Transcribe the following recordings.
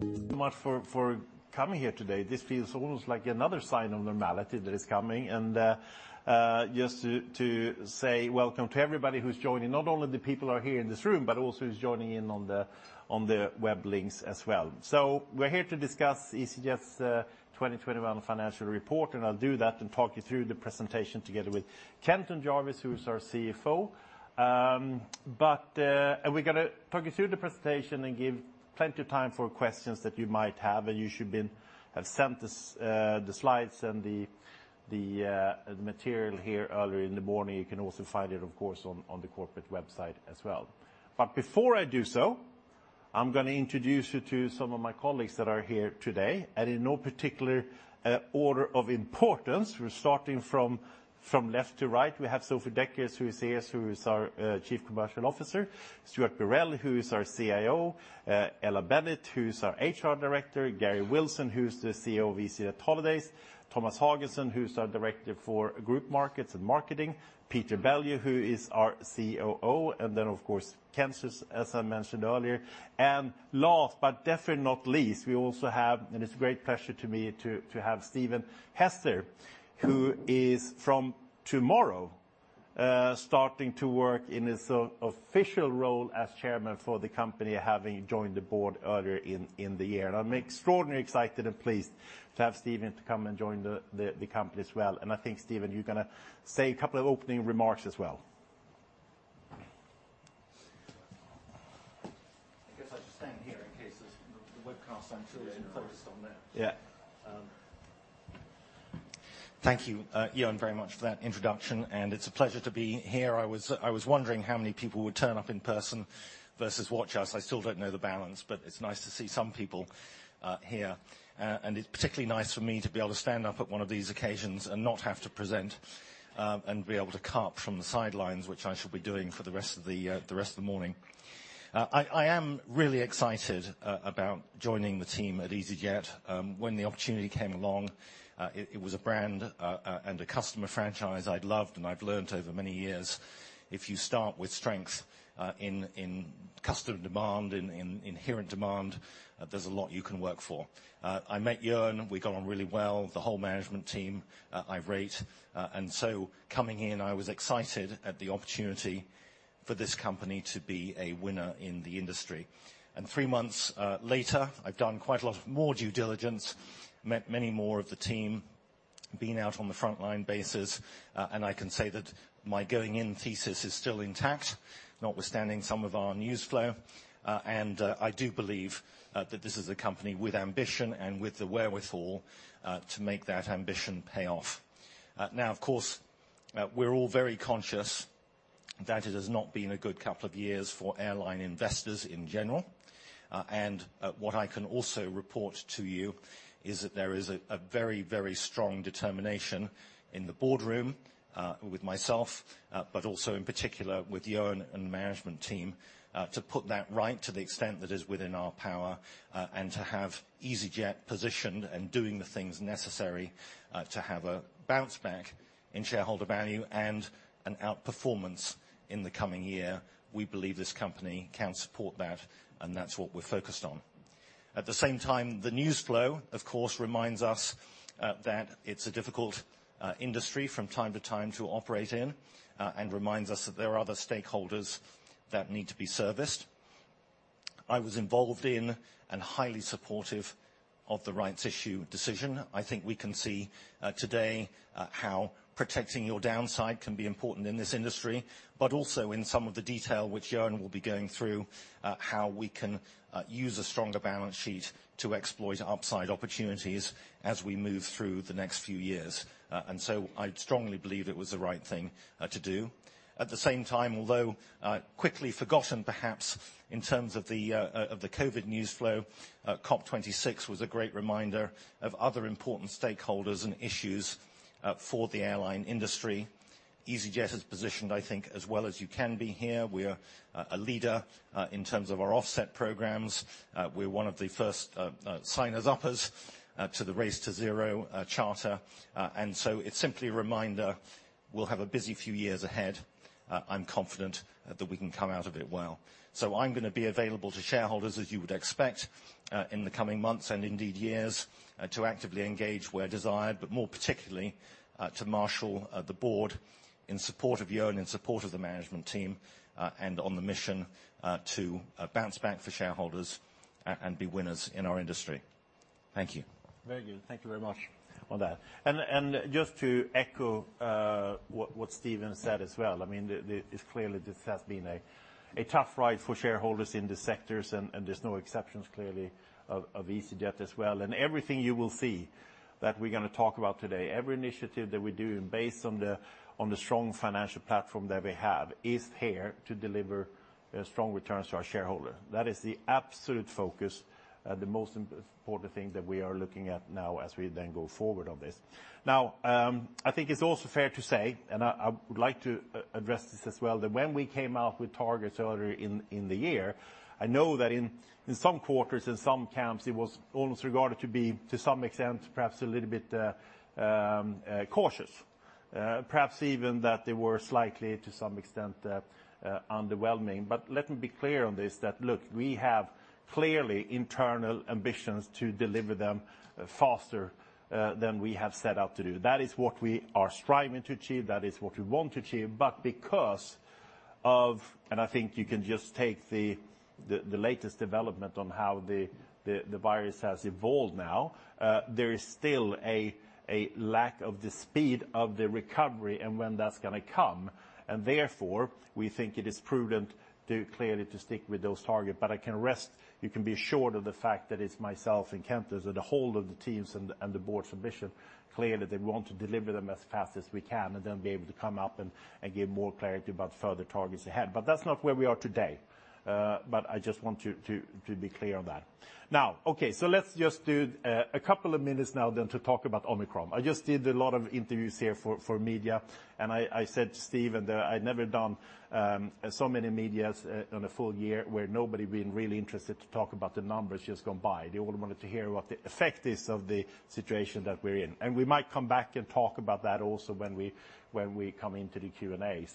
Thank you so much for coming here today. This feels almost like another sign of normality that is coming. Just to say welcome to everybody who's joining, not only the people who are here in this room, but also who's joining in on the web links as well. We're here to discuss easyJet's 2021 financial report, and I'll do that and talk you through the presentation together with Kenton Jarvis, who's our CFO. We're gonna talk you through the presentation and give plenty of time for questions that you might have. You should have been sent the slides and the material earlier in the morning. You can also find it, of course, on the corporate website as well. Before I do so, I'm gonna introduce you to some of my colleagues that are here today. In no particular order of importance, we're starting from left to right. We have Sophie Dekkers, who is here, who is our Chief Commercial Officer. Stuart Birrell, who is our CIO. Ella Bennett, who's our HR Director. Garry Wilson, who's the CEO of easyJet Holidays. Thomas Haagensen, who's our Director for Group Markets and Marketing. Peter Bellew, who is our COO. Kenton Jarvis, as I mentioned earlier. Last but definitely not least, we also have, and it's a great pleasure to me to have Stephen Hester, who is from tomorrow starting to work in his official role as Chairman for the company, having joined the board earlier in the year. I'm extraordinarily excited and pleased to have Stephen to come and join the company as well. I think, Stephen, you're gonna say a couple of opening remarks as well. I guess I'll just stand here in case there's the webcast. I'm sure it's focused on that. Yeah. Thank you, Johan, very much for that introduction, and it's a pleasure to be here. I was wondering how many people would turn up in person versus watch us. I still don't know the balance, but it's nice to see some people here. It's particularly nice for me to be able to stand up at one of these occasions and not have to present and be able to carp from the sidelines, which I shall be doing for the rest of the rest of the morning. I am really excited about joining the team at easyJet. When the opportunity came along, it was a brand and a customer franchise I'd loved and I've learned over many years, if you start with strength in customer demand, in inherent demand, there's a lot you can work for. I met Johan. We got on really well. The whole management team I rate. Coming in, I was excited at the opportunity for this company to be a winner in the industry. Three months later, I've done quite a lot more due diligence, met many more of the team, been out on the frontline bases, and I can say that my going-in thesis is still intact, notwithstanding some of our news flow. I do believe that this is a company with ambition and with the wherewithal to make that ambition pay off. Now, of course, we're all very conscious that it has not been a good couple of years for airline investors in general. What I can also report to you is that there is a very strong determination in the boardroom with myself, but also in particular with Johan and the management team to put that right to the extent that is within our power, and to have easyJet positioned and doing the things necessary to have a bounce back in shareholder value and an outperformance in the coming year. We believe this company can support that, and that's what we're focused on. At the same time, the news flow, of course, reminds us that it's a difficult industry from time to time to operate in, and reminds us that there are other stakeholders that need to be serviced. I was involved in and highly supportive of the rights issue decision. I think we can see today how protecting your downside can be important in this industry, but also in some of the detail which Johan will be going through, how we can use a stronger balance sheet to exploit upside opportunities as we move through the next few years. I strongly believe it was the right thing to do. At the same time, although quickly forgotten perhaps in terms of the COVID news flow, COP26 was a great reminder of other important stakeholders and issues for the airline industry. easyJet is positioned, I think, as well as you can be here. We're a leader in terms of our offset programs. We're one of the first signers-uppers to the Race to Zero Charter. It's simply a reminder we'll have a busy few years ahead. I'm confident that we can come out of it well. I'm gonna be available to shareholders as you would expect, in the coming months and indeed years, to actively engage where desired, but more particularly, to marshal the board in support of Johan, in support of the management team, and on the mission, to bounce back for shareholders and be winners in our industry. Thank you. Very good. Thank you very much on that. Just to echo what Stephen said as well, I mean, it's clearly this has been a tough ride for shareholders in the sectors, and there's no exceptions, clearly, of easyJet as well. Everything you will see that we're gonna talk about today, every initiative that we're doing based on the strong financial platform that we have is here to deliver strong returns to our shareholder. That is the absolute focus, the most important thing that we are looking at now as we then go forward on this. Now, I think it's also fair to say, and I would like to address this as well, that when we came out with targets earlier in the year, I know that in some quarters and some camps, it was almost regarded to be to some extent, perhaps a little bit cautious. Perhaps even that they were slightly to some extent underwhelming. Let me be clear on this. Look, we have clearly internal ambitions to deliver them faster than we have set out to do. That is what we are striving to achieve. That is what we want to achieve. Because of I think you can just take the latest development on how the virus has evolved now, there is still a lack of the speed of the recovery and when that's gonna come. Therefore, we think it is prudent to clearly to stick with those target. But you can be assured of the fact that it's myself and Kenton and the whole of the teams and the board's ambition clearly that we want to deliver them as fast as we can, and then be able to come up and give more clarity about further targets ahead. But that's not where we are today. I just want you to be clear on that. Now, okay, let's just do a couple of minutes now then to talk about Omicron. I just did a lot of interviews here for media, and I said to Steve that I'd never done so many media on a full year where nobody had been really interested to talk about the numbers just gone by. They all wanted to hear what the effect is of the situation that we're in. We might come back and talk about that also when we come into the Q&A.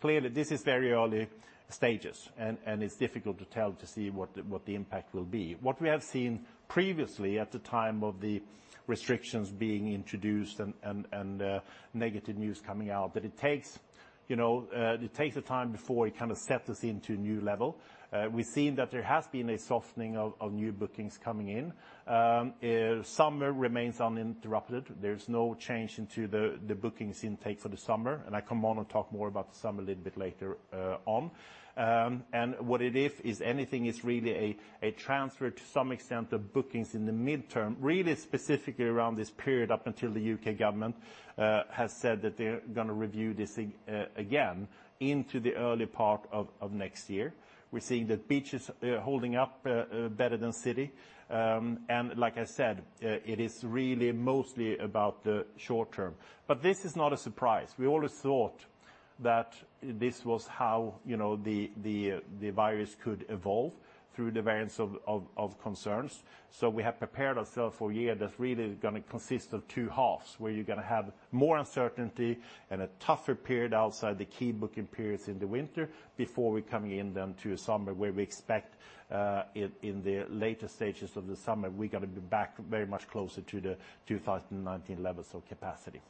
Clearly, this is very early stages and it's difficult to tell to see what the impact will be. What we have seen previously at the time of the restrictions being introduced and negative news coming out, that it takes you know it takes the time before it kind of sets us into a new level. We've seen that there has been a softening of new bookings coming in. Summer remains uninterrupted. There's no change into the bookings intake for the summer, and I come on and talk more about the summer a little bit later on. What it is, if anything, is really a transfer to some extent of bookings in the midterm, really specifically around this period up until the U.K. government has said that they're gonna review this again into the early part of next year. We're seeing that beach is holding up better than city. Like I said, it is really mostly about the short term. This is not a surprise. We always thought that this was how, you know, the virus could evolve through the variants of concern. We have prepared ourselves for a year that's really gonna consist of two halves, where you're gonna have more uncertainty and a tougher period outside the key booking periods in the winter before we come in then to summer, where we expect in the later stages of the summer, we're gonna be back very much closer to the 2019 levels of capacity.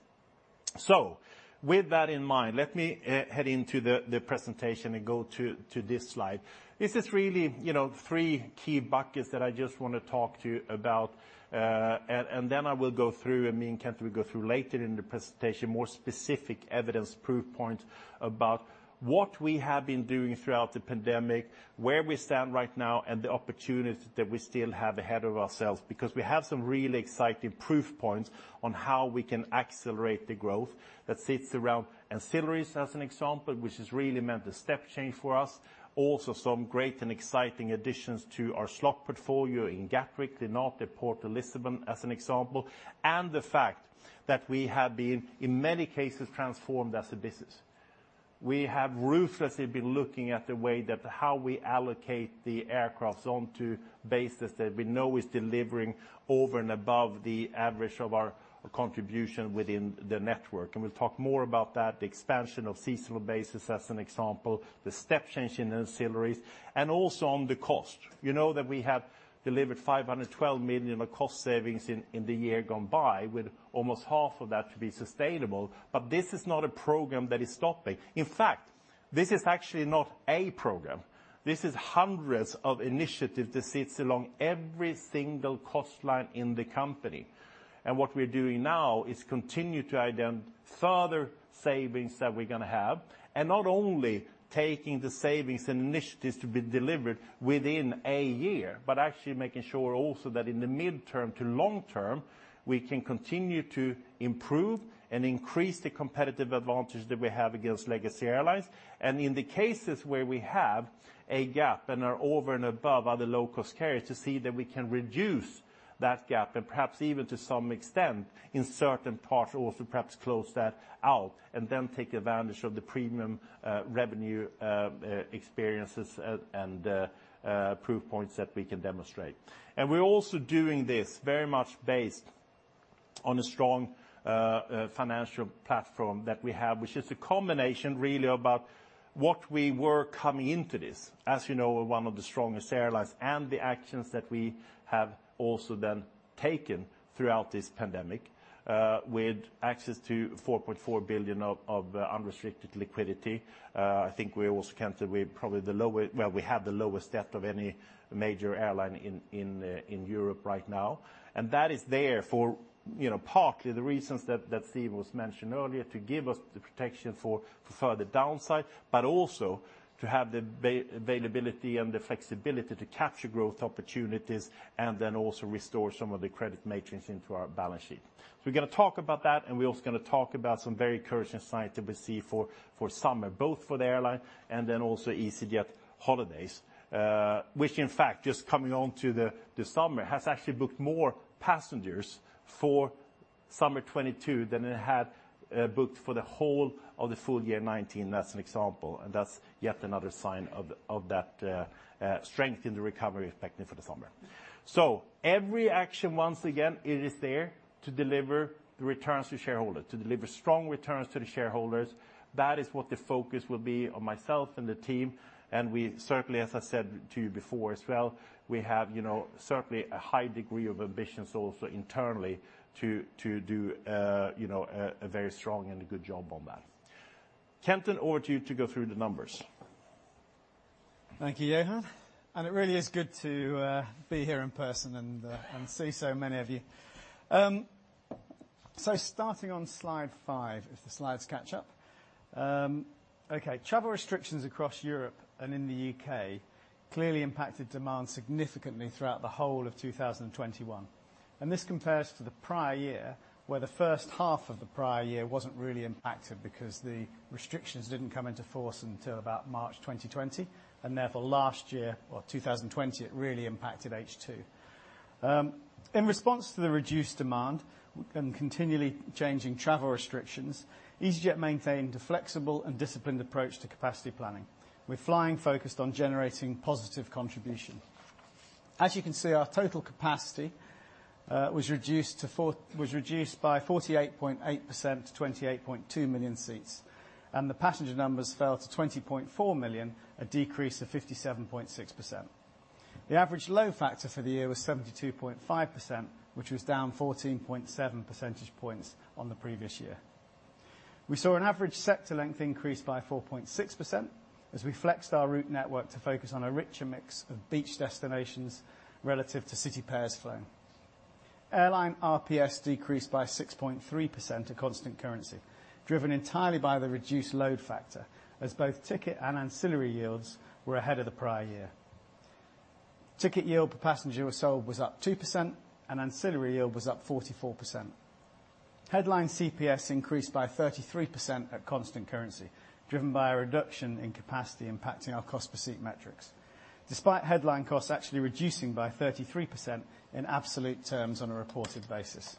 With that in mind, let me head into the presentation and go to this slide. This is really, you know, three key buckets that I just wanna talk to you about, and then I will go through, and me and Kent will go through later in the presentation more specific evidence proof point about what we have been doing throughout the pandemic, where we stand right now, and the opportunities that we still have ahead of ourselves. Because we have some really exciting proof points on how we can accelerate the growth that sits around ancillaries as an example, which has really meant a step change for us. Also, some great and exciting additions to our slot portfolio in Gatwick, the North, Porto, Lisbon as an example, and the fact that we have been, in many cases, transformed as a business. We have ruthlessly been looking at the way that how we allocate the aircrafts onto bases that we know is delivering over and above the average of our contribution within the network. We'll talk more about that, the expansion of seasonal bases as an example, the step change in ancillaries, and also on the cost. You know that we have delivered 512 million of cost savings in the year gone by, with almost half of that to be sustainable. This is not a program that is stopping. In fact, this is actually not a program. This is hundreds of initiatives that sits along every single cost line in the company. What we're doing now is continue to identify further savings that we're gonna have, and not only taking the savings and initiatives to be delivered within a year, but actually making sure also that in the midterm to long term, we can continue to improve and increase the competitive advantage that we have against legacy airlines. In the cases where we have a gap and are over and above other low-cost carriers to see that we can reduce that gap, and perhaps even to some extent in certain parts, also perhaps close that out, and then take advantage of the premium revenue experiences and proof points that we can demonstrate. We're also doing this very much based on a strong financial platform that we have, which is a combination really about what we were coming into this. As you know, we're one of the strongest airlines, and the actions that we have also then taken throughout this pandemic with access to 4.4 billion of unrestricted liquidity. I think we also can say we have the lowest debt of any major airline in Europe right now. That is there for, you know, partly the reasons that Steve was mentioning earlier, to give us the protection for further downside, but also to have the availability and the flexibility to capture growth opportunities, and then also restore some of the credit metrics into our balance sheet. We're gonna talk about that, and we're also gonna talk about some very encouraging signs that we see for summer, both for the airline and then also easyJet holidays. which in fact, just coming on to the summer, has actually booked more passengers for summer 2022 than it had booked for the whole of the full year 2019. That's an example, and that's yet another sign of that strength in the recovery we're expecting for the summer. Every action, once again, it is there to deliver the returns to shareholders, to deliver strong returns to the shareholders. That is what the focus will be of myself and the team, and we certainly, as I said to you before as well, we have, you know, certainly a high degree of ambitions also internally to do, you know, a very strong and a good job on that. Kenton, over to you to go through the numbers. Thank you, Johan. It really is good to be here in person and see so many of you. Starting on slide five, if the slides catch up. Okay. Travel restrictions across Europe and in the U.K. clearly impacted demand significantly throughout the whole of 2021, and this compares to the prior year, where the first half of the prior year wasn't really impacted because the restrictions didn't come into force until about March 2020, and therefore last year or 2020, it really impacted H2. In response to the reduced demand and continually changing travel restrictions, easyJet maintained a flexible and disciplined approach to capacity planning. We're flying focused on generating positive contribution. As you can see, our total capacity was reduced by 48.8% to 28.2 million seats, and the passenger numbers fell to 20.4 million, a decrease of 57.6%. The average load factor for the year was 72.5%, which was down 14.7 percentage points on the previous year. We saw an average sector length increase by 4.6% as we flexed our route network to focus on a richer mix of beach destinations relative to city pairs flown. Airline RPS decreased by 6.3% at constant currency, driven entirely by the reduced load factor as both ticket and ancillary yields were ahead of the prior year. Ticket yield per passenger sold was up 2% and ancillary yield was up 44%. Headline CPS increased by 33% at constant currency, driven by a reduction in capacity impacting our cost per seat metrics, despite headline costs actually reducing by 33% in absolute terms on a reported basis.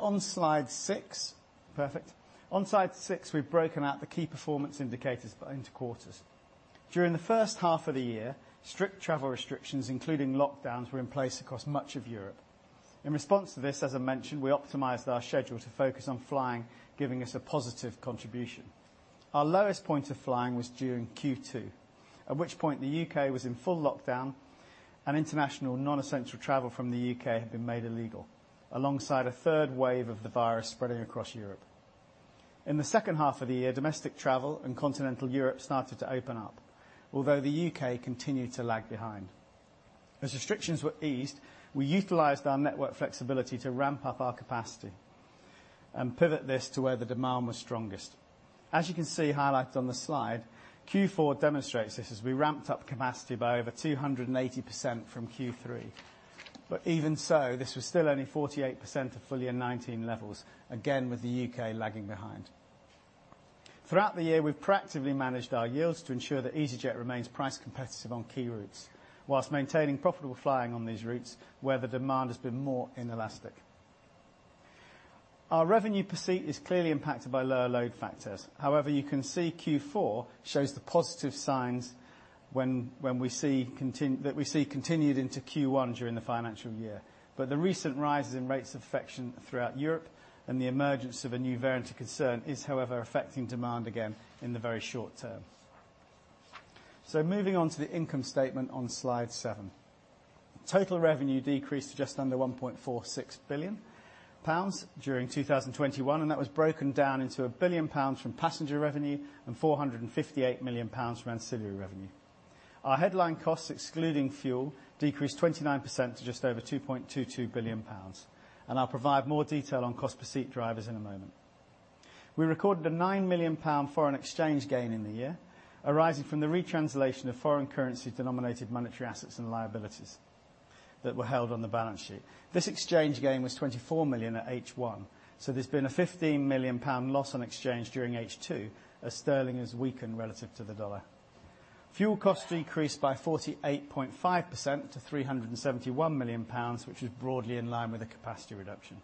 On slide six. Perfect. On slide six, we've broken out the key performance indicators by interquarters. During the first half of the year, strict travel restrictions, including lockdowns, were in place across much of Europe. In response to this, as I mentioned, we optimized our schedule to focus on flying, giving us a positive contribution. Our lowest point of flying was during Q2, at which point the U.K. was in full lockdown and international non-essential travel from the U.K. had been made illegal alongside a third wave of the virus spreading across Europe. In the second half of the year, domestic travel in continental Europe started to open up, although the U.K. continued to lag behind. As restrictions were eased, we utilized our network flexibility to ramp up our capacity and pivot this to where the demand was strongest. As you can see highlighted on the slide, Q4 demonstrates this as we ramped up capacity by over 280% from Q3. Even so, this was still only 48% of full year 2019 levels, again with the U.K. lagging behind. Throughout the year, we've proactively managed our yields to ensure that easyJet remains price competitive on key routes whilst maintaining profitable flying on these routes where the demand has been more inelastic. Our revenue per seat is clearly impacted by lower load factors. However, you can see Q4 shows the positive signs when we see continued into Q1 during the financial year. The recent rises in rates of infection throughout Europe and the emergence of a new variant of concern is, however, affecting demand again in the very short term. Moving on to the income statement on slide seven. Total revenue decreased to just under 1.46 billion pounds during 2021, and that was broken down into 1 billion pounds from passenger revenue and 458 million pounds from ancillary revenue. Our headline costs, excluding fuel, decreased 29% to just over 2.22 billion pounds, and I'll provide more detail on cost per seat drivers in a moment. We recorded a 9 million pound foreign exchange gain in the year arising from the retranslation of foreign currency denominated monetary assets and liabilities that were held on the balance sheet. This exchange gain was 24 million at H1, so there's been a 15 million pound loss on exchange during H2 as sterling has weakened relative to the dollar. Fuel costs decreased by 48.5% to 371 million pounds, which is broadly in line with the capacity reduction.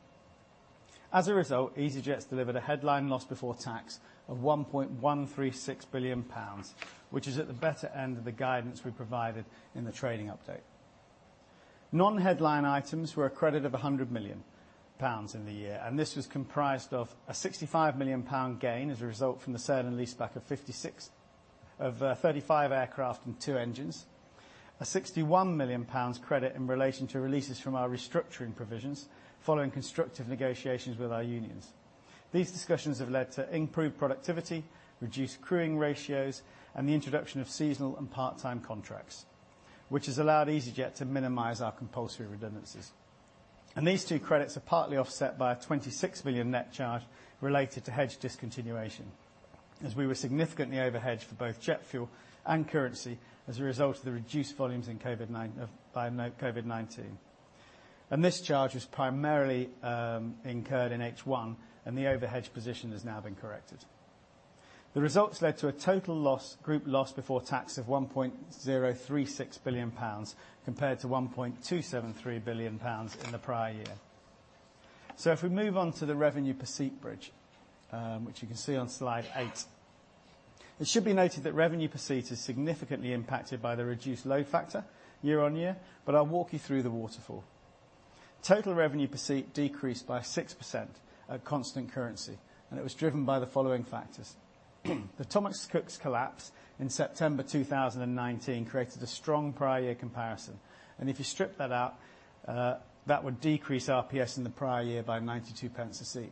As a result, easyJet's delivered a headline loss before tax of 1.136 billion pounds, which is at the better end of the guidance we provided in the trading update. Non-headline items were a credit of 100 million pounds in the year, and this was comprised of a 65 million pound gain as a result from the sale and leaseback of fifty-six, of 35 aircraft and two engines. 61 million pounds credit in relation to releases from our restructuring provisions following constructive negotiations with our unions. These discussions have led to improved productivity, reduced crewing ratios, and the introduction of seasonal and part-time contracts, which has allowed easyJet to minimize our compulsory redundancies. These two credits are partly offset by a 26 million net charge related to hedge discontinuation, as we were significantly overhedged for both jet fuel and currency as a result of the reduced volumes in COVID-19. This charge was primarily incurred in H1, and the overhedge position has now been corrected. The results led to a total loss, group loss before tax of 1.036 billion pounds, compared to 1.273 billion pounds in the prior year. If we move on to the revenue per seat bridge, which you can see on slide eight. It should be noted that revenue per seat is significantly impacted by the reduced load factor year-on-year, but I'll walk you through the waterfall. Total revenue per seat decreased by 6% at constant currency, and it was driven by the following factors. The Thomas Cook's collapse in September 2019 created a strong prior year comparison. If you strip that out, that would decrease RPS in the prior year by 0.92 a seat.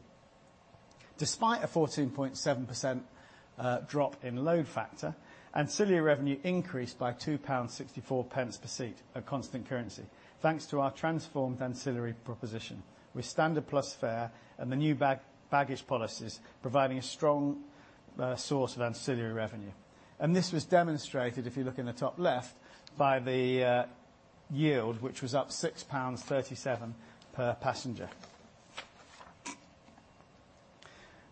Despite a 14.7% drop in load factor, ancillary revenue increased by 2.64 pounds per seat at constant currency, thanks to our transformed ancillary proposition, with Standard Plus fare and the new baggage policies providing a strong source of ancillary revenue. This was demonstrated, if you look in the top left, by the yield, which was up 6.37 pounds per passenger.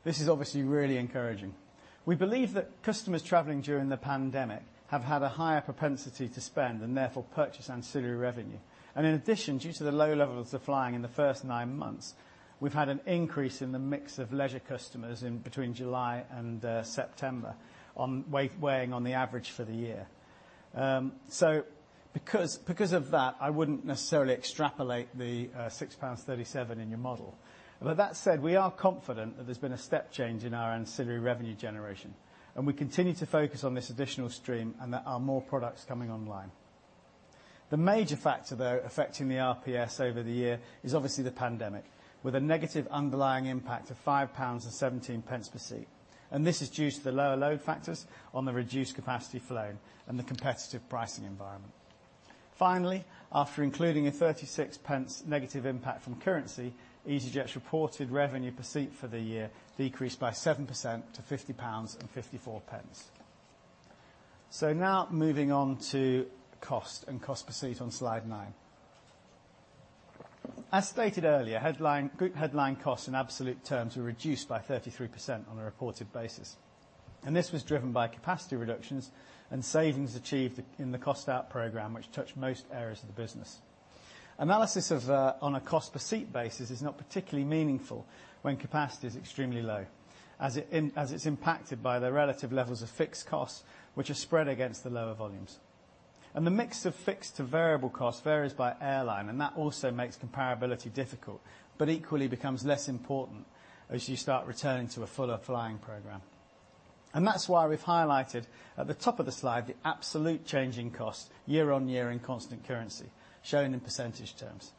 This is obviously really encouraging. We believe that customers traveling during the pandemic have had a higher propensity to spend and therefore purchase ancillary revenue. In addition, due to the low levels of flying in the first nine months, we've had an increase in the mix of leisure customers in between July and September weighing on the average for the year. Because of that, I wouldn't necessarily extrapolate the 6.37 pounds in your model. That said, we are confident that there's been a step change in our ancillary revenue generation, and we continue to focus on this additional stream and there are more products coming online. The major factor, though, affecting the RPS over the year is obviously the pandemic, with a negative underlying impact of 5.17 pounds per seat. This is due to the lower load factors on the reduced capacity flown and the competitive pricing environment. Finally, after including a 0.36 pence negative impact from currency, easyJet's reported revenue per seat for the year decreased by 7% to GBP 50.54. Now moving on to cost and cost per seat on slide nine. As stated earlier, headline group headline costs in absolute terms were reduced by 33% on a reported basis. This was driven by capacity reductions and savings achieved in the cost out program, which touched most areas of the business. Analysis of on a cost per seat basis is not particularly meaningful when capacity is extremely low, as it's impacted by the relative levels of fixed costs, which are spread against the lower volumes. The mix of fixed to variable costs varies by airline, and that also makes comparability difficult, but equally becomes less important as you start returning to a fuller flying program. That's why we've highlighted at the top of the slide the absolute change in cost year-on-year in constant currency, shown in percentage terms.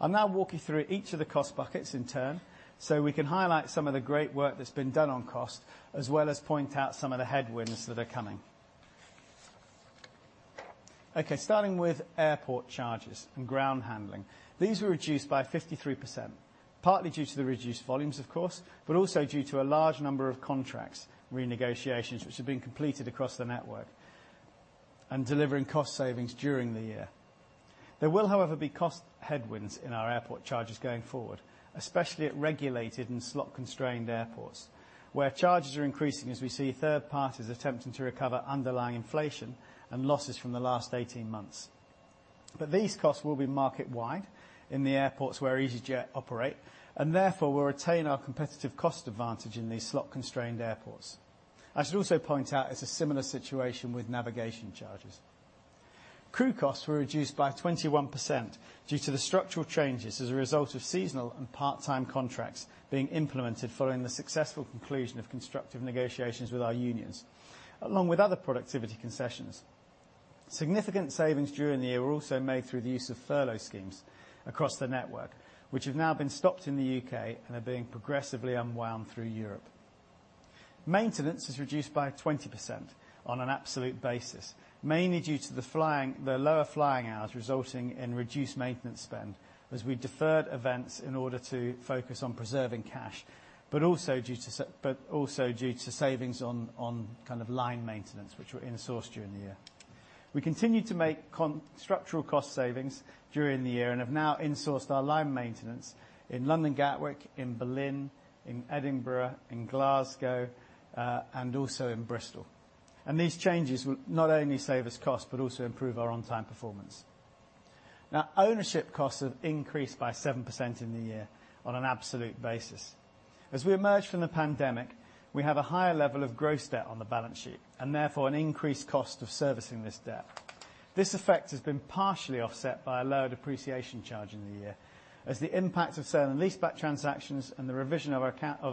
I'll now walk you through each of the cost buckets in turn, so we can highlight some of the great work that's been done on cost, as well as point out some of the headwinds that are coming. Okay, starting with airport charges and ground handling. These were reduced by 53%, partly due to the reduced volumes, of course, but also due to a large number of contract renegotiations, which have been completed across the network and delivering cost savings during the year. There will, however, be cost headwinds in our airport charges going forward, especially at regulated and slot-constrained airports, where charges are increasing as we see third parties attempting to recover underlying inflation and losses from the last 18 months. These costs will be market-wide in the airports where easyJet operate, and therefore will retain our competitive cost advantage in these slot-constrained airports. I should also point out it's a similar situation with navigation charges. Crew costs were reduced by 21% due to the structural changes as a result of seasonal and part-time contracts being implemented following the successful conclusion of constructive negotiations with our unions, along with other productivity concessions. Significant savings during the year were also made through the use of furlough schemes across the network, which have now been stopped in the U.K. and are being progressively unwound through Europe. Maintenance is reduced by 20% on an absolute basis, mainly due to the flying, the lower flying hours resulting in reduced maintenance spend as we deferred events in order to focus on preserving cash, but also due to savings on kind of line maintenance, which were insourced during the year. We continued to make structural cost savings during the year and have now insourced our line maintenance in London Gatwick, in Berlin, in Edinburgh, in Glasgow, and also in Bristol. These changes will not only save us cost, but also improve our on-time performance. Ownership costs have increased by 7% in the year on an absolute basis. As we emerge from the pandemic, we have a higher level of gross debt on the balance sheet and therefore an increased cost of servicing this debt. This effect has been partially offset by a lower depreciation charge in the year as the impact of sale and leaseback transactions and the revision of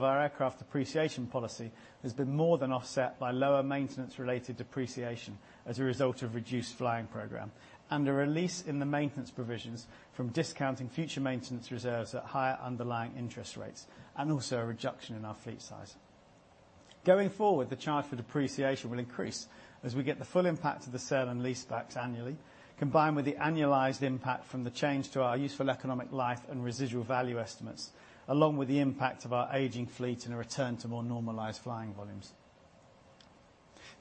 our aircraft depreciation policy has been more than offset by lower maintenance-related depreciation as a result of reduced flying program and a release in the maintenance provisions from discounting future maintenance reserves at higher underlying interest rates and also a reduction in our fleet size. Going forward, the charge for depreciation will increase as we get the full impact of the sale and leasebacks annually, combined with the annualized impact from the change to our useful economic life and residual value estimates, along with the impact of our aging fleet and a return to more normalized flying volumes.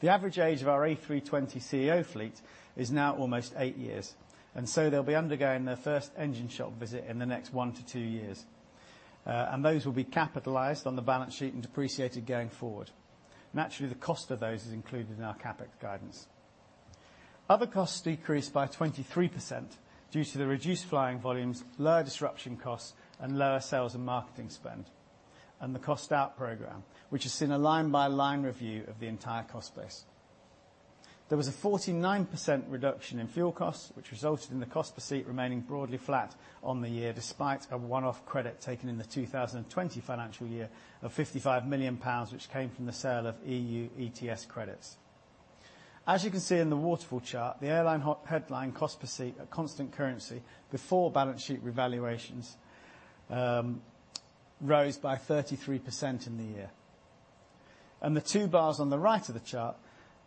The average age of our A320ceo fleet is now almost eight years, and so they'll be undergoing their first engine shop visit in the next one-two years. And those will be capitalized on the balance sheet and depreciated going forward. Naturally, the cost of those is included in our CapEx guidance. Other costs decreased by 23% due to the reduced flying volumes, lower disruption costs, and lower sales and marketing spend, and the cost out program, which has seen a line-by-line review of the entire cost base. There was a 49% reduction in fuel costs, which resulted in the cost per seat remaining broadly flat on the year, despite a one-off credit taken in the 2020 financial year of 55 million pounds, which came from the sale of EU ETS credits. As you can see in the waterfall chart, the airline's headline cost per seat at constant currency before balance sheet revaluations rose by 33% in the year. The two bars on the right of the chart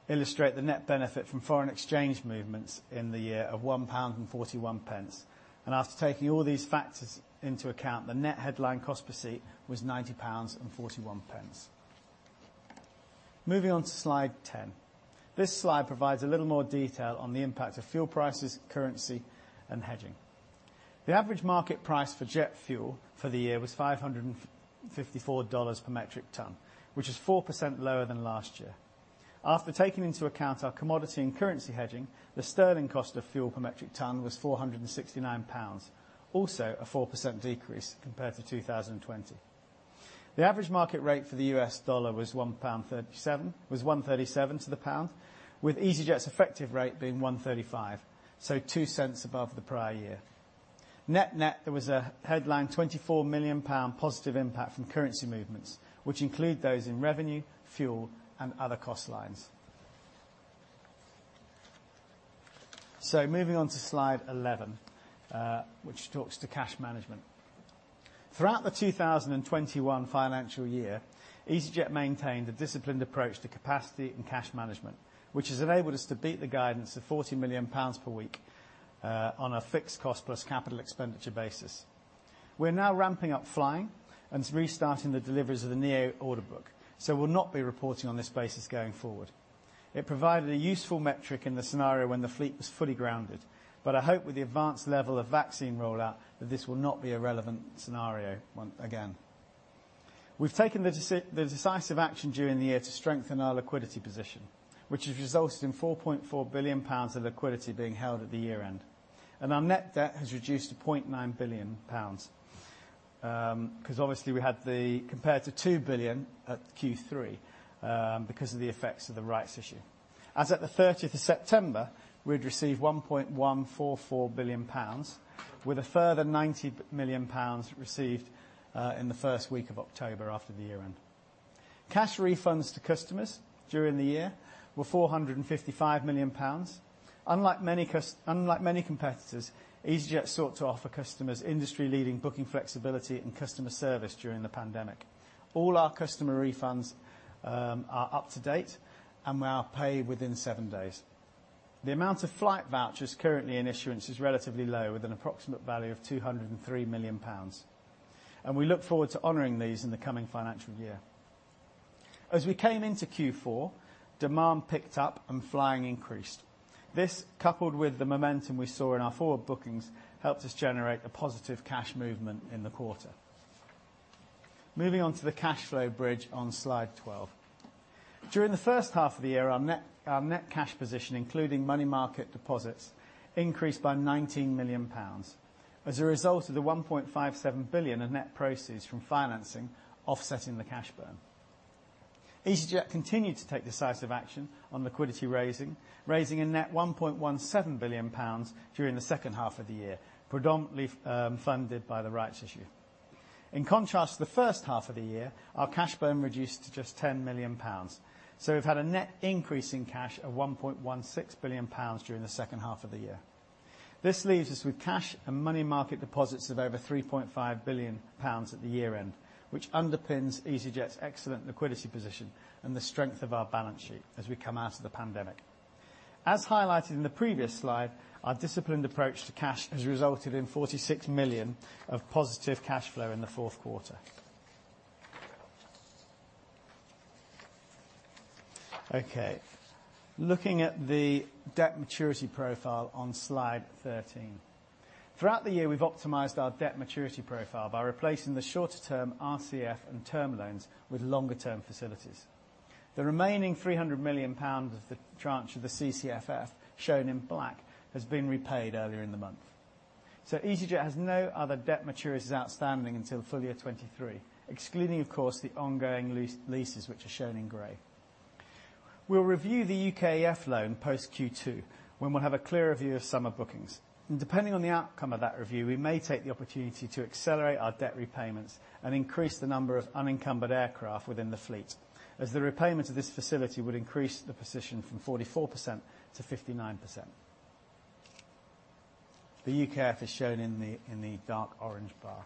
illustrate the net benefit from foreign exchange movements in the year of 1.41 pound. After taking all these factors into account, the net headline cost per seat was 90.41 pounds. Moving on to slide 10. This slide provides a little more detail on the impact of fuel prices, currency, and hedging. The average market price for jet fuel for the year was $554 per metric ton, which is 4% lower than last year. After taking into account our commodity and currency hedging, the sterling cost of fuel per metric ton was 469 pounds, also a 4% decrease compared to 2020. The average market rate for the U.S. dollar was 1.37 pound, with easyJet's effective rate being 1.35, so two cents above the prior year. Net-net, there was a headline 24 million pound positive impact from currency movements, which include those in revenue, fuel, and other cost lines. Moving on to slide 11, which talks to cash management. Throughout the 2021 financial year, easyJet maintained a disciplined approach to capacity and cash management, which has enabled us to beat the guidance of 40 million pounds per week on a fixed cost-plus capital expenditure basis. We're now ramping up flying and restarting the deliveries of the neo-order book, so we'll not be reporting on this basis going forward. It provided a useful metric in the scenario when the fleet was fully grounded, but I hope with the advanced level of vaccine rollout that this will not be a relevant scenario again. We've taken the decisive action during the year to strengthen our liquidity position, which has resulted in 4.4 billion pounds of liquidity being held at the year-end. Our net debt has reduced to 0.9 billion pounds, 'cause obviously we had compared to 2 billion at Q3, because of the effects of the rights issue. As at September 30th, we'd received 1.144 billion pounds, with a further 90 million pounds received in the first week of October after the year-end. Cash refunds to customers during the year were 455 million pounds. Unlike many competitors, easyJet sought to offer customers industry-leading booking flexibility and customer service during the pandemic. All our customer refunds are up to date, and were paid within seven days. The amount of flight vouchers currently in issuance is relatively low, with an approximate value of 203 million pounds, and we look forward to honoring these in the coming financial year. As we came into Q4, demand picked up and flying increased. This, coupled with the momentum we saw in our forward bookings, helped us generate a positive cash movement in the quarter. Moving on to the cash flow bridge on slide 12. During the first half of the year, our net cash position, including money market deposits, increased by 19 million pounds as a result of the 1.57 billion in net proceeds from financing offsetting the cash burn. easyJet continued to take decisive action on liquidity raising a net 1.17 billion pounds during the second half of the year, predominantly funded by the rights issue. In contrast to the first half of the year, our cash burn reduced to just 10 million pounds. We've had a net increase in cash of 1.16 billion pounds during the second half of the year. This leaves us with cash and money market deposits of over 3.5 billion pounds at the year-end, which underpins easyJet's excellent liquidity position and the strength of our balance sheet as we come out of the pandemic. As highlighted in the previous slide, our disciplined approach to cash has resulted in 46 million of positive cash flow in the fourth quarter. Okay, looking at the debt maturity profile on slide 13. Throughout the year, we've optimized our debt maturity profile by replacing the shorter-term RCF and term loans with longer-term facilities. The remaining 300 million pounds of the tranche of the CCFF, shown in black, has been repaid earlier in the month. easyJet has no other debt maturities outstanding until full year 2023, excluding of course the ongoing leases which are shown in gray. We'll review the UKEF loan post Q2, when we'll have a clearer view of summer bookings. Depending on the outcome of that review, we may take the opportunity to accelerate our debt repayments and increase the number of unencumbered aircraft within the fleet, as the repayment of this facility would increase the position from 44%-59%. The UKEF is shown in the dark orange bar.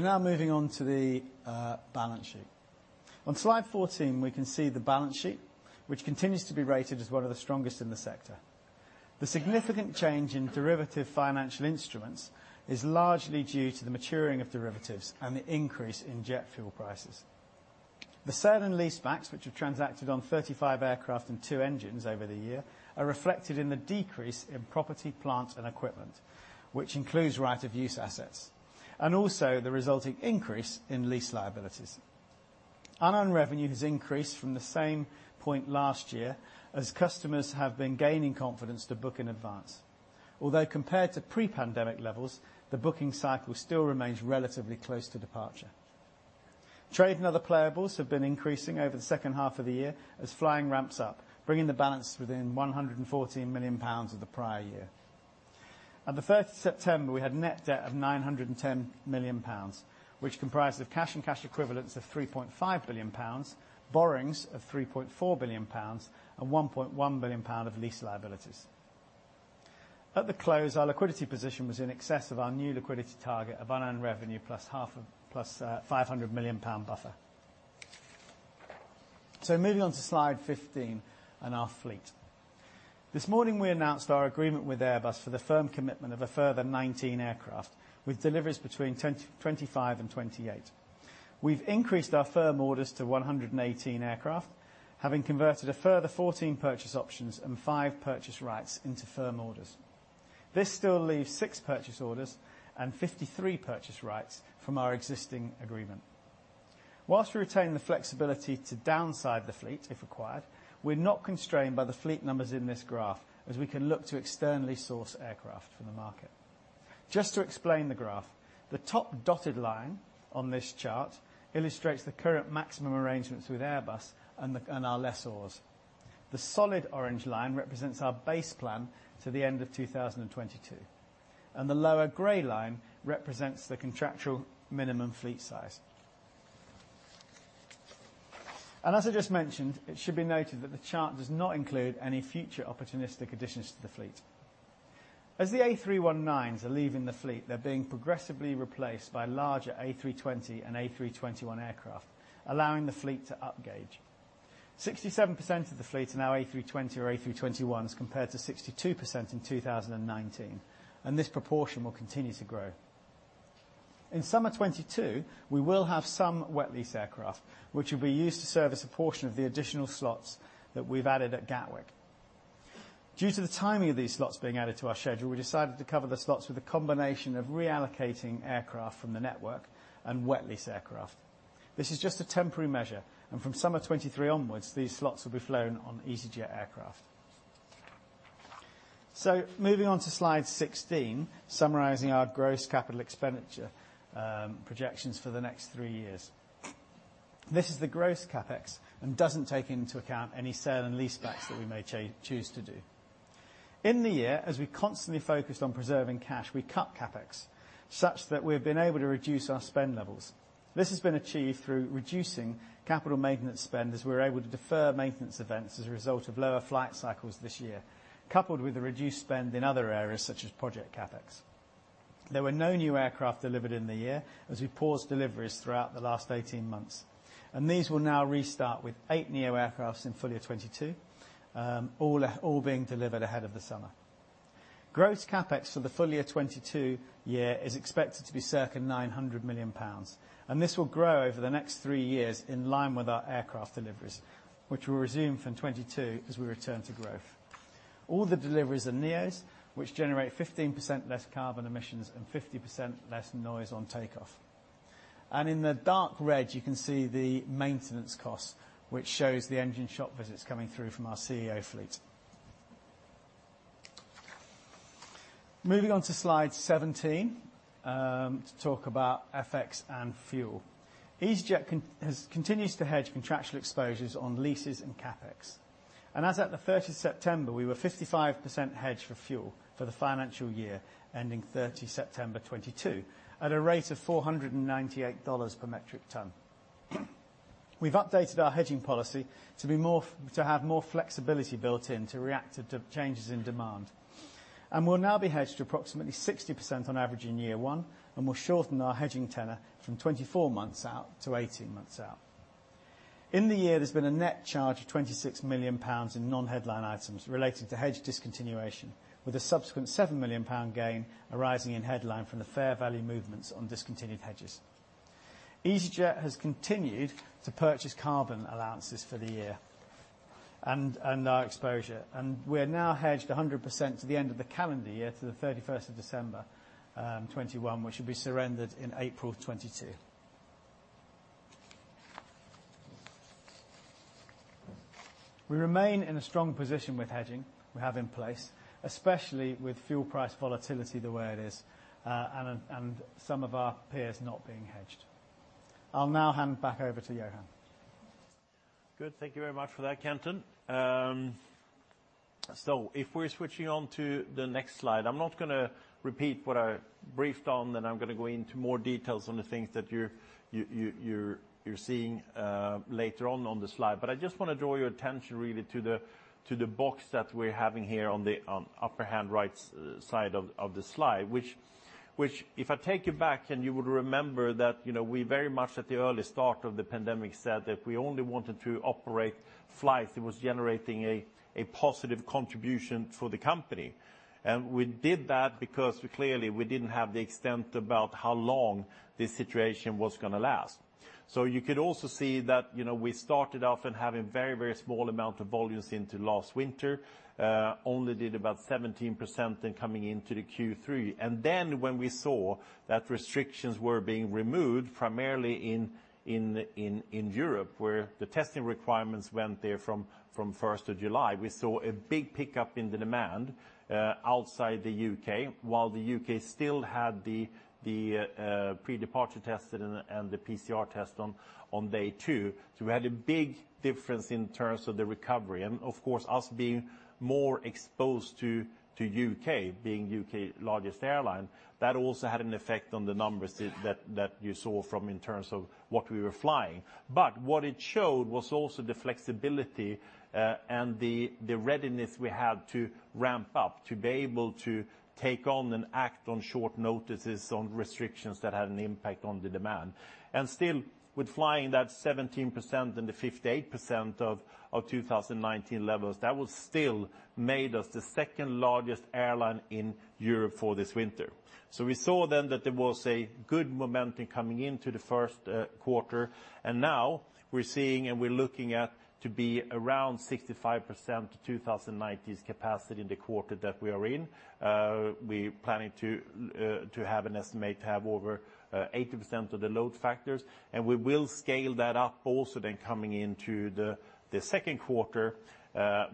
Now moving on to the balance sheet. On slide 14, we can see the balance sheet, which continues to be rated as one of the strongest in the sector. The significant change in derivative financial instruments is largely due to the maturing of derivatives and the increase in jet fuel prices. The sale and leasebacks, which have transacted on 35 aircraft and two engines over the year, are reflected in the decrease in property, plant, and equipment, which includes right-of-use assets, and also the resulting increase in lease liabilities. Unearned revenue has increased from the same point last year, as customers have been gaining confidence to book in advance. Although, compared to pre-pandemic levels, the booking cycle still remains relatively close to departure. Trade and other payables have been increasing over the second half of the year as flying ramps up, bringing the balance within GBP 114 million of the prior year. At September 1st, we had net debt of 910 million pounds, which comprised of cash and cash equivalents of 3.5 billion pounds, borrowings of 3.4 billion pounds, and 1.1 billion pounds of lease liabilities. At the close, our liquidity position was in excess of our new liquidity target of unearned revenue plus 500 million pound buffer. Moving on to slide 15 and our fleet. This morning, we announced our agreement with Airbus for the firm commitment of a further 19 aircraft with deliveries between 2025 and 2028. We've increased our firm orders to 118 aircraft, having converted a further 14 purchase options and five purchase rights into firm orders. This still leaves six purchase orders and 53 purchase rights from our existing agreement. While we retain the flexibility to downsize the fleet if required, we're not constrained by the fleet numbers in this graph, as we can look to externally source aircraft from the market. Just to explain the graph, the top dotted line on this chart illustrates the current maximum arrangements with Airbus and our lessors. The solid orange line represents our base plan to the end of 2022. The lower gray line represents the contractual minimum fleet size. As I just mentioned, it should be noted that the chart does not include any future opportunistic additions to the fleet. As the A319s are leaving the fleet, they're being progressively replaced by larger A320 and A321 aircraft, allowing the fleet to upgauge. 67% of the fleet are now A320 or A321s compared to 62% in 2019, and this proportion will continue to grow. In summer 2022, we will have some wet lease aircraft, which will be used to service a portion of the additional slots that we've added at Gatwick. Due to the timing of these slots being added to our schedule, we decided to cover the slots with a combination of reallocating aircraft from the network and wet lease aircraft. This is just a temporary measure, and from summer 2023 onwards, these slots will be flown on easyJet aircraft. Moving on to slide 16, summarizing our gross capital expenditure projections for the next three years. This is the gross CapEx and doesn't take into account any sale and leasebacks that we may choose to do. In the year, as we constantly focused on preserving cash, we cut CapEx, such that we've been able to reduce our spend levels. This has been achieved through reducing capital maintenance spend, as we were able to defer maintenance events as a result of lower flight cycles this year, coupled with a reduced spend in other areas such as project CapEx. There were no new aircraft delivered in the year, as we paused deliveries throughout the last 18 months. These will now restart with eight neo aircraft in full year 2022, all being delivered ahead of the summer. Gross CapEx for the full year 2022 is expected to be circa 900 million pounds, and this will grow over the next three years in line with our aircraft deliveries, which will resume from 2022 as we return to growth. All the deliveries are neos, which generate 15% less carbon emissions and 50% less noise on takeoff. In the dark red, you can see the maintenance costs, which shows the engine shop visits coming through from our ceo fleet. Moving on to slide 17 to talk about FX and fuel. easyJet continues to hedge contractual exposures on leases and CapEx. As September 1st, we were 55% hedged for fuel for the financial year ending September 3rd, 2022 at a rate of $498 per metric ton. We've updated our hedging policy to have more flexibility built in to react to changes in demand. We'll now be hedged approximately 60% on average in year one, and we'll shorten our hedging tenor from 24 months out to 18 months out. In the year, there's been a net charge of 26 million pounds in non-headline items related to hedge discontinuation, with a subsequent 7 million pound gain arising in headline from the fair value movements on discontinued hedges. easyJet has continued to purchase carbon allowances for the year and our exposure. We're now hedged 100% to the end of the calendar year to December 31st, 2021, which will be surrendered in April 2022. We remain in a strong position with hedging we have in place, especially with fuel price volatility the way it is, and some of our peers not being hedged. I'll now hand back over to Johan. Good. Thank you very much for that, Kenton. If we're switching on to the next slide, I'm not gonna repeat what I briefed on, and I'm gonna go into more details on the things that you're seeing later on the slide. I just wanna draw your attention really to the box that we're having here on the upper right-hand side of the slide, which if I take you back and you would remember that, you know, we very much at the early start of the pandemic said that we only wanted to operate flights that was generating a positive contribution for the company. We did that because clearly, we didn't have the extent about how long this situation was gonna last. You could also see that, you know, we started off having very, very small amount of volumes into last winter, only did about 17% then coming into the Q3. Then when we saw that restrictions were being removed, primarily in Europe, where the testing requirements went away from first of July, we saw a big pickup in the demand outside the U.K., while the U.K. still had the pre-departure test and the PCR test on day two. We had a big difference in terms of the recovery. Of course, us being more exposed to the U.K., being the U.K.'s largest airline, that also had an effect on the numbers that you saw in terms of what we were flying. What it showed was also the flexibility, and the readiness we had to ramp up to be able to take on and act on short notices on restrictions that had an impact on the demand. Still, with flying that 17% and the 58% of 2019 levels, that still made us the second-largest airline in Europe for this winter. We saw then that there was a good momentum coming into the first quarter, and now we're seeing, and we're looking to be around 65% of 2019's capacity in the quarter that we are in. We're planning to have over 80% load factors, and we will scale that up also then coming into the second quarter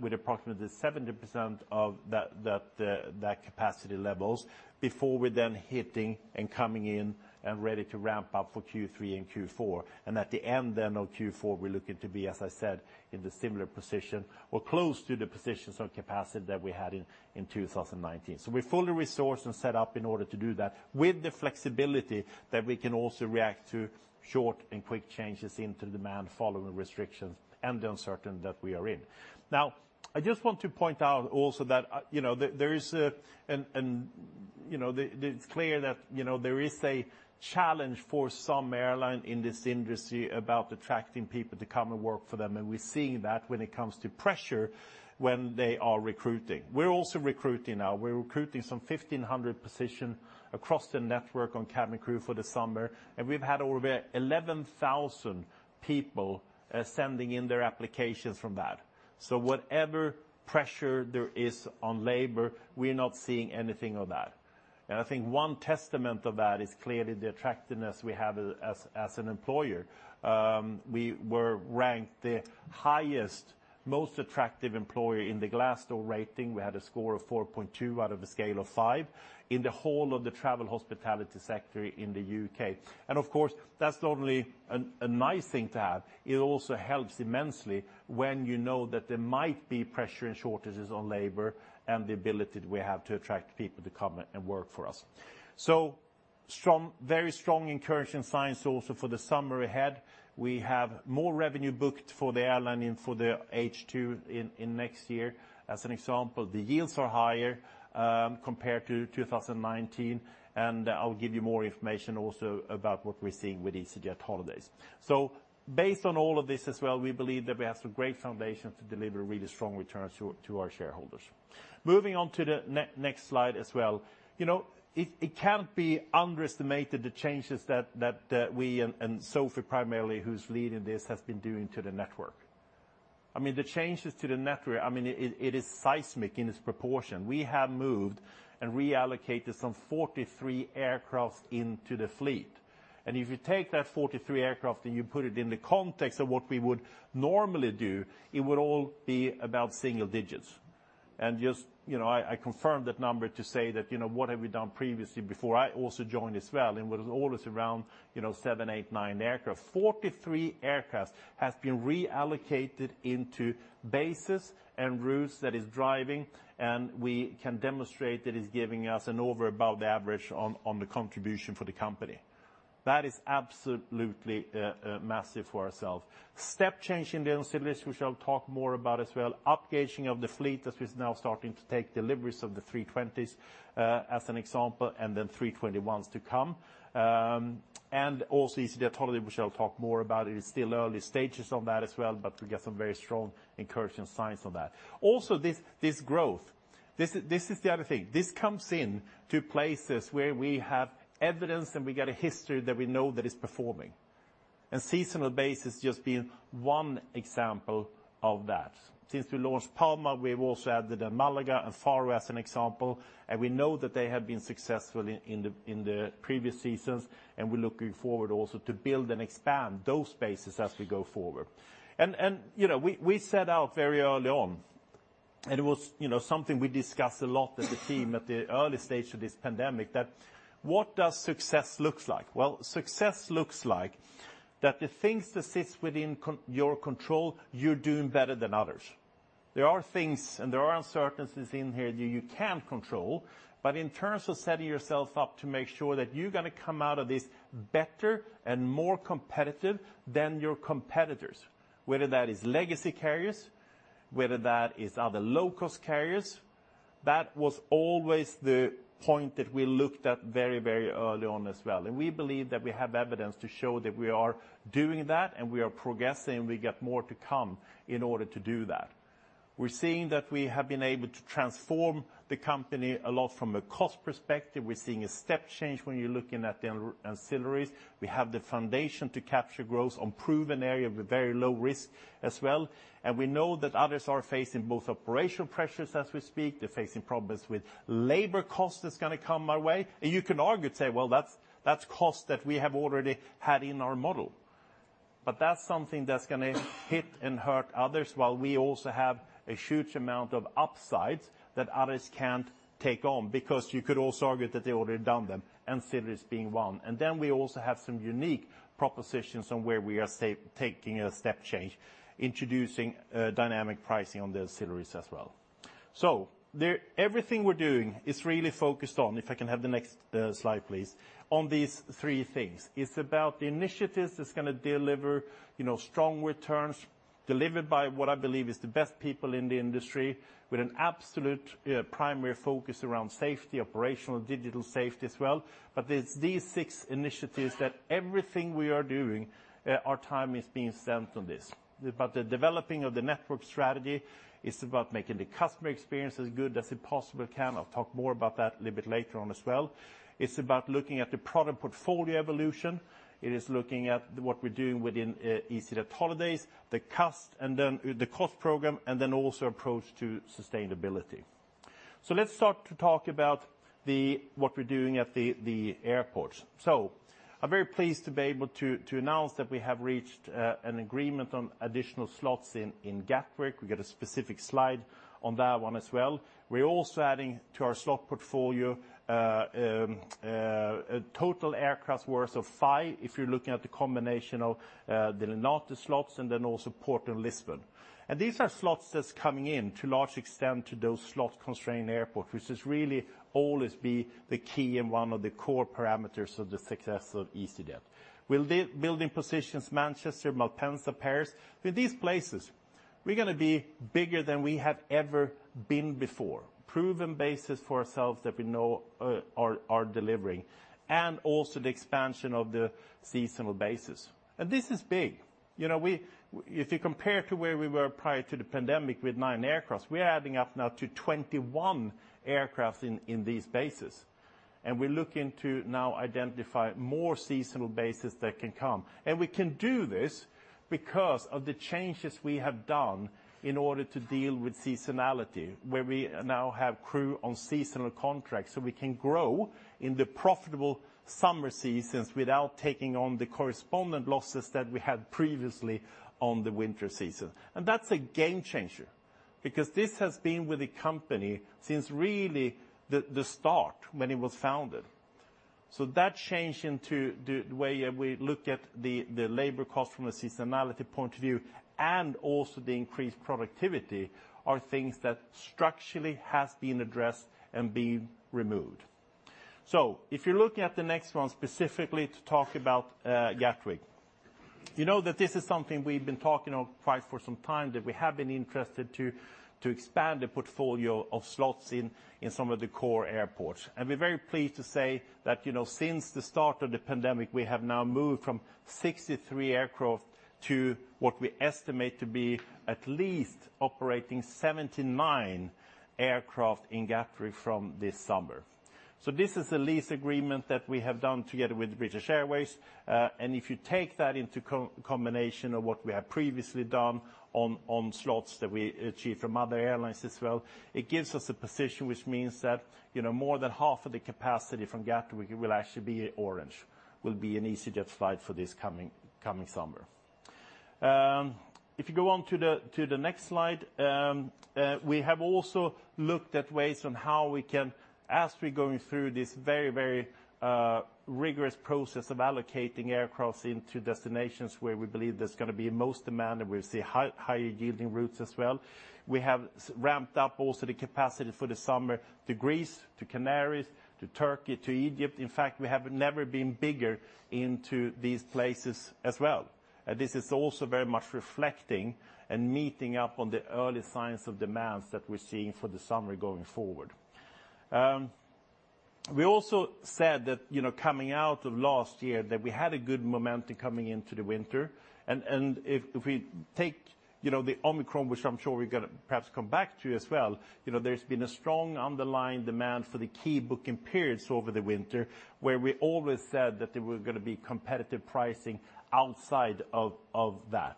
with approximately 70% of that capacity levels before we're then hitting and coming in and ready to ramp up for Q3 and Q4. At the end then of Q4, we're looking to be, as I said, in the similar position or close to the positions of capacity that we had in 2019. We're fully resourced and set up in order to do that with the flexibility that we can also react to short and quick changes into the demand following restrictions and the uncertainty that we are in. Now, I just want to point out also that you know it's clear that you know there is a challenge for some airlines in this industry about attracting people to come and work for them, and we're seeing that when it comes to pressure when they are recruiting. We're also recruiting now. We're recruiting some 1,500 positions across the network on cabin crew for the summer, and we've had over 11,000 people sending in their applications from that. Whatever pressure there is on labor, we're not seeing anything of that. I think one testament of that is clearly the attractiveness we have as an employer. We were ranked the highest, most attractive employer in the Glassdoor rating. We had a score of 4.2 out of a scale of five in the whole of the travel hospitality sector in the U.K. Of course, that's not only a nice thing to have, it also helps immensely when you know that there might be pressure and shortages on labor and the ability that we have to attract people to come and work for us. Very strong encouraging signs also for the summer ahead. We have more revenue booked for the airline and for the H2 in next year. As an example, the yields are higher compared to 2019, and I'll give you more information also about what we're seeing with easyJet holidays. Based on all of this as well, we believe that we have some great foundations to deliver really strong returns to our shareholders. Moving on to the next slide as well. You know, it can't be underestimated the changes that we and Sophie primarily, who's leading this, has been doing to the network. I mean, the changes to the network, I mean, it is seismic in its proportion. We have moved and reallocated some 43 aircraft into the fleet. If you take that 43 aircraft and you put it in the context of what we would normally do, it would all be about single digits. Just, you know, I confirm that number to say that, you know, what have we done previously before I also joined as well, and it was always around, you know, seven, eight, nine aircraft. 43 aircraft has been reallocated into bases and routes that is driving, and we can demonstrate that it's giving us an above average contribution for the company. That is absolutely massive for ourself. Step change in the facilities, which I'll talk more about as well. Up gauging of the fleet as we're now starting to take deliveries of the A320s, as an example, and then A321s to come. And also, easyJet holidays, which I'll talk more about. It is still early stages on that as well, but we got some very strong encouraging signs on that. Also, this growth. This is the other thing. This comes into places where we have evidence and we got a history that we know that is performing. Seasonal base has just been one example of that. Since we launched Palma, we've also added Málaga and Faro as an example, and we know that they have been successful in the previous seasons, and we're looking forward also to build and expand those bases as we go forward. You know, we set out very early on, and it was, you know, something we discussed a lot as a team at the early stage of this pandemic, that what does success looks like? Well, success looks like that the things that sits within in your control, you're doing better than others. There are things and there are uncertainties in here that you can't control, but in terms of setting yourself up to make sure that you're gonna come out of this better and more competitive than your competitors, whether that is legacy carriers, whether that is other low-cost carriers. That was always the point that we looked at very, very early on as well. We believe that we have evidence to show that we are doing that and we are progressing, we got more to come in order to do that. We're seeing that we have been able to transform the company a lot from a cost perspective. We're seeing a step change when you're looking at the ancillaries. We have the foundation to capture growth on proven area with very low risk as well. We know that others are facing both operational pressures as we speak, they're facing problems with labor costs that's gonna come our way. You can argue and say, "Well, that's cost that we have already had in our model." That's something that's gonna hit and hurt others while we also have a huge amount of upsides that others can't take on because you could also argue that they already done them, ancillaries being one. We also have some unique propositions on where we are taking a step change, introducing dynamic pricing on the ancillaries as well. Everything we're doing is really focused on, if I can have the next slide please, on these three things. It's about the initiatives that's gonna deliver, you know, strong returns delivered by what I believe is the best people in the industry with an absolute primary focus around safety, operational, digital safety as well. It's these six initiatives that everything we are doing, our time is being spent on this. It's about the developing of the network strategy, it's about making the customer experience as good as it possibly can. I'll talk more about that a little bit later on as well. It's about looking at the product portfolio evolution. It is looking at what we're doing within easyJet holidays, and then the cost program, and then also approach to sustainability. Let's start to talk about what we're doing at the airports. I'm very pleased to be able to announce that we have reached an agreement on additional slots in Gatwick. We got a specific slide on that one as well. We're also adding to our slot portfolio, total aircraft worth of five, if you're looking at the combination of the Leonardo slots and then also Porto and Lisbon. These are slots that's coming in to large extent to those slot-constrained airports, which has really always been the key and one of the core parameters of the success of easyJet. We're building positions Manchester, Malpensa, Paris. With these places, we're gonna be bigger than we have ever been before. Proven bases for ourselves that we know are delivering, and also the expansion of the seasonal bases. This is big. You know, if you compare to where we were prior to the pandemic with nine aircraft, we are adding up now to 21 aircraft in these bases. We're looking to now identify more seasonal bases that can come. We can do this because of the changes we have done in order to deal with seasonality, where we now have crew on seasonal contracts, so we can grow in the profitable summer seasons without taking on the corresponding losses that we had previously on the winter season. That's a game changer, because this has been with the company since really the start when it was founded. That change into the way we look at the labor cost from a seasonality point of view, and also the increased productivity, are things that structurally has been addressed and been removed. If you're looking at the next one specifically to talk about Gatwick. You know that this is something we've been talking about for quite some time, that we have been interested to expand the portfolio of slots in some of the core airports. We're very pleased to say that, you know, since the start of the pandemic, we have now moved from 63 aircraft to what we estimate to be at least operating 79 aircraft in Gatwick from this summer. This is a lease agreement that we have done together with British Airways. If you take that into combination with what we have previously done on slots that we achieved from other airlines as well, it gives us a position which means that, you know, more than half of the capacity from Gatwick will actually be orange, an easyJet flight for this coming summer. If you go on to the next slide, we have also looked at ways on how we can, as we're going through this very rigorous process of allocating aircraft into destinations where we believe there's gonna be most demand and we'll see higher yielding routes as well. We have ramped up also the capacity for the summer to Greece, to Canaries, to Turkey, to Egypt. In fact, we have never been bigger into these places as well. This is also very much reflecting and meeting up on the early signs of demands that we're seeing for the summer going forward. We also said that, you know, coming out of last year, that we had a good momentum coming into the winter. If we take, you know, the Omicron, which I'm sure we're gonna perhaps come back to as well, you know, there's been a strong underlying demand for the key booking periods over the winter, where we always said that there were gonna be competitive pricing outside of that.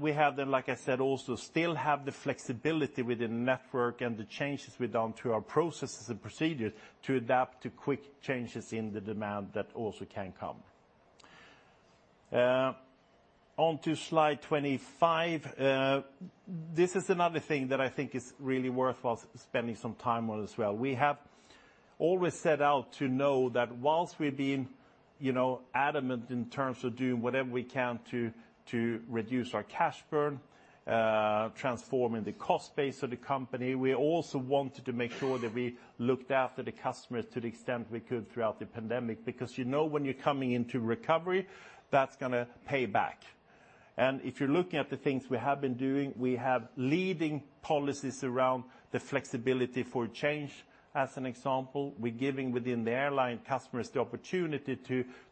We have, like I said, also still have the flexibility within the network and the changes we've done to our processes and procedures to adapt to quick changes in the demand that also can come. On to slide 25. This is another thing that I think is really worthwhile spending some time on as well. We have always set out to know that while we've been, you know, adamant in terms of doing whatever we can to reduce our cash burn, transforming the cost base of the company. We also wanted to make sure that we looked after the customers to the extent we could throughout the pandemic, because you know when you're coming into recovery, that's gonna pay back. If you're looking at the things we have been doing, we have leading policies around the flexibility for change. As an example, we're giving within the airline customers the opportunity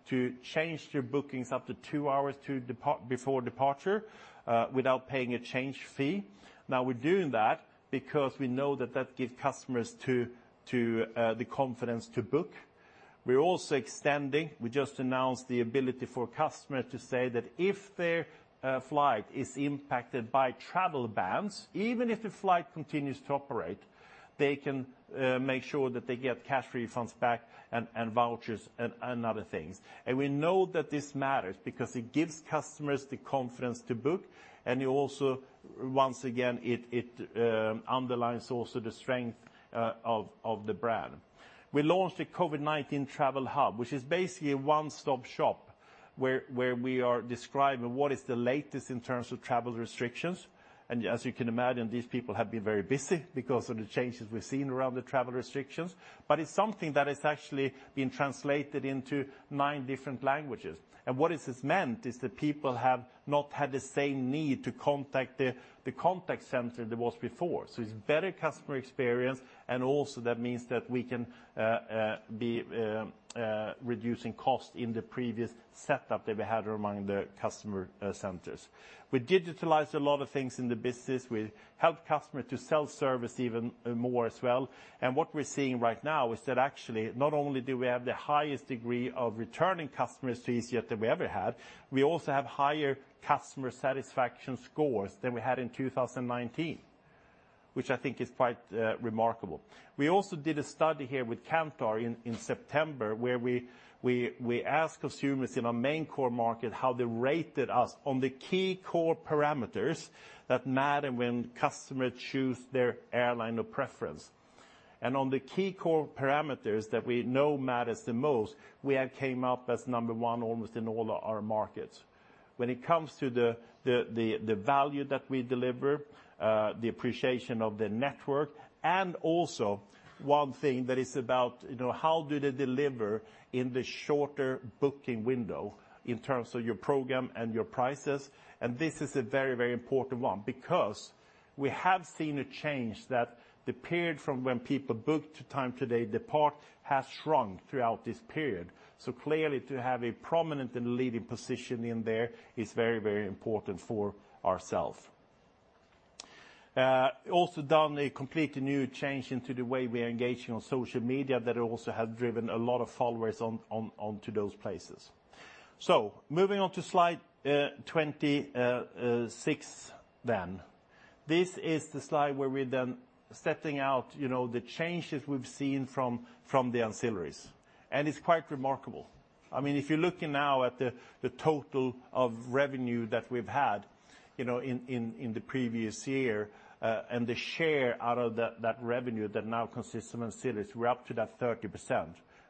to change their bookings up to two hours before departure without paying a change fee. Now we're doing that because we know that that gives customers the confidence to book. We're also extending. We just announced the ability for customers to say that if their flight is impacted by travel bans, even if the flight continues to operate, they can make sure that they get cash refunds back and vouchers and other things. We know that this matters because it gives customers the confidence to book, and it also, once again, underlines also the strength of the brand. We launched a COVID-19 travel hub, which is basically a one-stop shop where we are describing what is the latest in terms of travel restrictions. As you can imagine, these people have been very busy because of the changes we've seen around the travel restrictions. It's something that has actually been translated into nine different languages. What this has meant is that people have not had the same need to contact the contact center there was before. It's better customer experience, and also that means that we can be reducing costs in the previous setup that we had among the customer centers. We digitalized a lot of things in the business, we helped customers to self-service even more as well. What we're seeing right now is that actually not only do we have the highest degree of returning customers to easyJet than we ever had, we also have higher customer satisfaction scores than we had in 2019, which I think is quite remarkable. We also did a study here with Kantar in September, where we asked consumers in our main core market how they rated us on the key core parameters that matter when customers choose their airline of preference. On the key core parameters that we know matters the most, we have came up as number one almost in all our markets. When it comes to the value that we deliver, the appreciation of the network, and also one thing that is about, you know, how do they deliver in the shorter booking window in terms of your program and your prices. This is a very, very important one because we have seen a change that the period from when people book to the day of departure has shrunk throughout this period. Clearly to have a prominent and leading position in there is very, very important for ourselves. Also done a completely new change into the way we are engaging on social media that also has driven a lot of followers onto those places. Moving on to slide 26 then. This is the slide where we're then setting out, you know, the changes we've seen from the ancillaries. It's quite remarkable. I mean, if you're looking now at the total of revenue that we've had, you know, in the previous year, and the share out of that revenue that now consists of ancillaries, we're up to that 30%,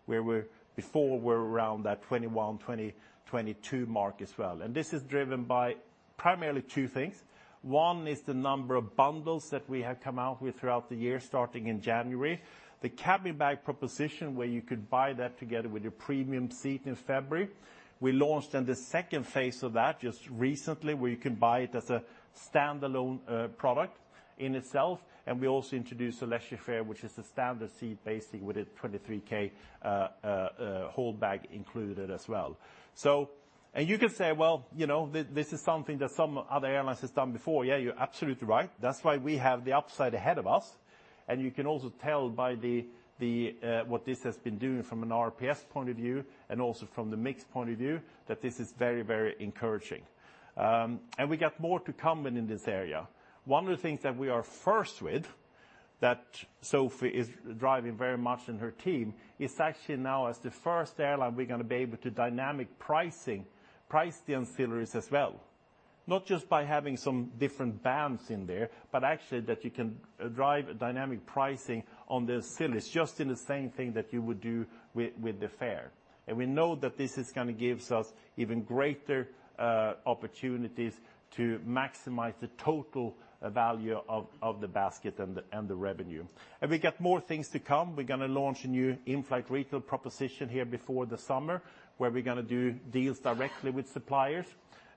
where before we were around that 21%-22% mark as well. This is driven by primarily two things. One is the number of bundles that we have come out with throughout the year, starting in January. The cabin bag proposition where you could buy that together with your premium seat in February. We launched then the second phase of that just recently, where you can buy it as a standalone product in itself. We also introduced the Leisure fare, which is the standard seat basically with a 23 kg hold bag included as well. You can say, well, you know, this is something that some other airlines has done before. Yeah, you're absolutely right. That's why we have the upside ahead of us. You can also tell by the what this has been doing from an RPS point of view and also from the mix point of view that this is very, very encouraging. We got more to come in this area. One of the things that we are first with, that Sophie is driving very much and her team, is actually now as the first airline, we're gonna be able to dynamic pricing, price the ancillaries as well. Not just by having some different bands in there, but actually that you can drive dynamic pricing on the ancillaries just in the same thing that you would do with the fare. We know that this is gonna gives us even greater opportunities to maximize the total value of the basket and the revenue. We got more things to come. We're gonna launch a new in-flight retail proposition here before the summer, where we're gonna do deals directly with suppliers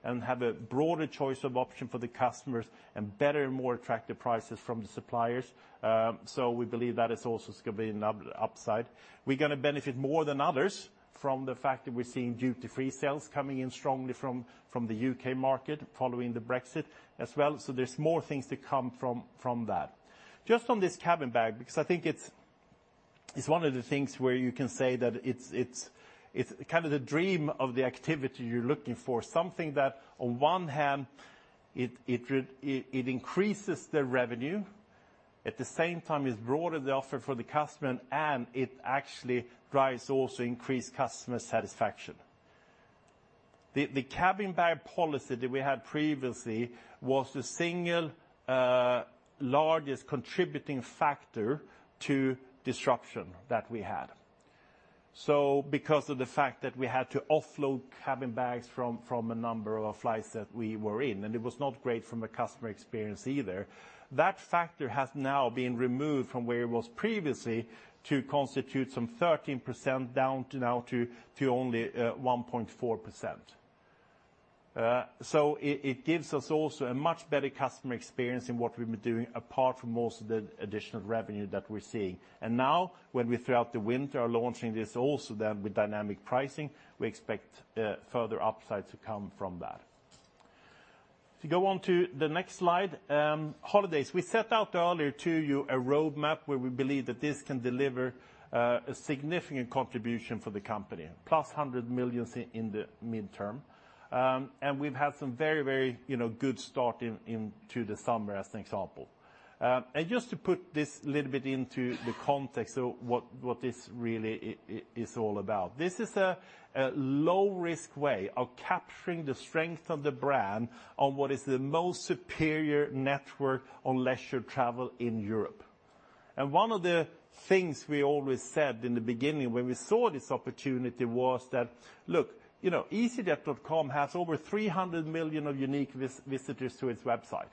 and have a broader choice of option for the customers and better and more attractive prices from the suppliers. We believe that is also gonna be an upside. We're gonna benefit more than others from the fact that we're seeing duty-free sales coming in strongly from the U.K. market following the Brexit as well. There's more things to come from that. Just on this cabin bag, because I think it's kind of the dream of the activity you're looking for, something that on one hand, it increases the revenue. At the same time, it's broadened the offer for the customer and it actually drives also increased customer satisfaction. The cabin bag policy that we had previously was the single largest contributing factor to disruption that we had. Because of the fact that we had to offload cabin bags from a number of flights that we were in, and it was not great from a customer experience either, that factor has now been removed from where it was previously to constitute some 13% down to now to only 1.4%. It gives us also a much better customer experience in what we've been doing, apart from most of the additional revenue that we're seeing. Now when we throughout the winter are launching this also then with dynamic pricing, we expect further upside to come from that. To go on to the next slide, holidays. We set out earlier to you a roadmap where we believe that this can deliver a significant contribution for the company, plus 100 million in the midterm. We've had some very, you know, good start into the summer as an example. Just to put this a little bit into the context of what this really is all about. This is a low-risk way of capturing the strength of the brand on what is the most superior network on leisure travel in Europe. One of the things we always said in the beginning when we saw this opportunity was that, look, you know, easyjet.com has over 300 million of unique visitors to its website.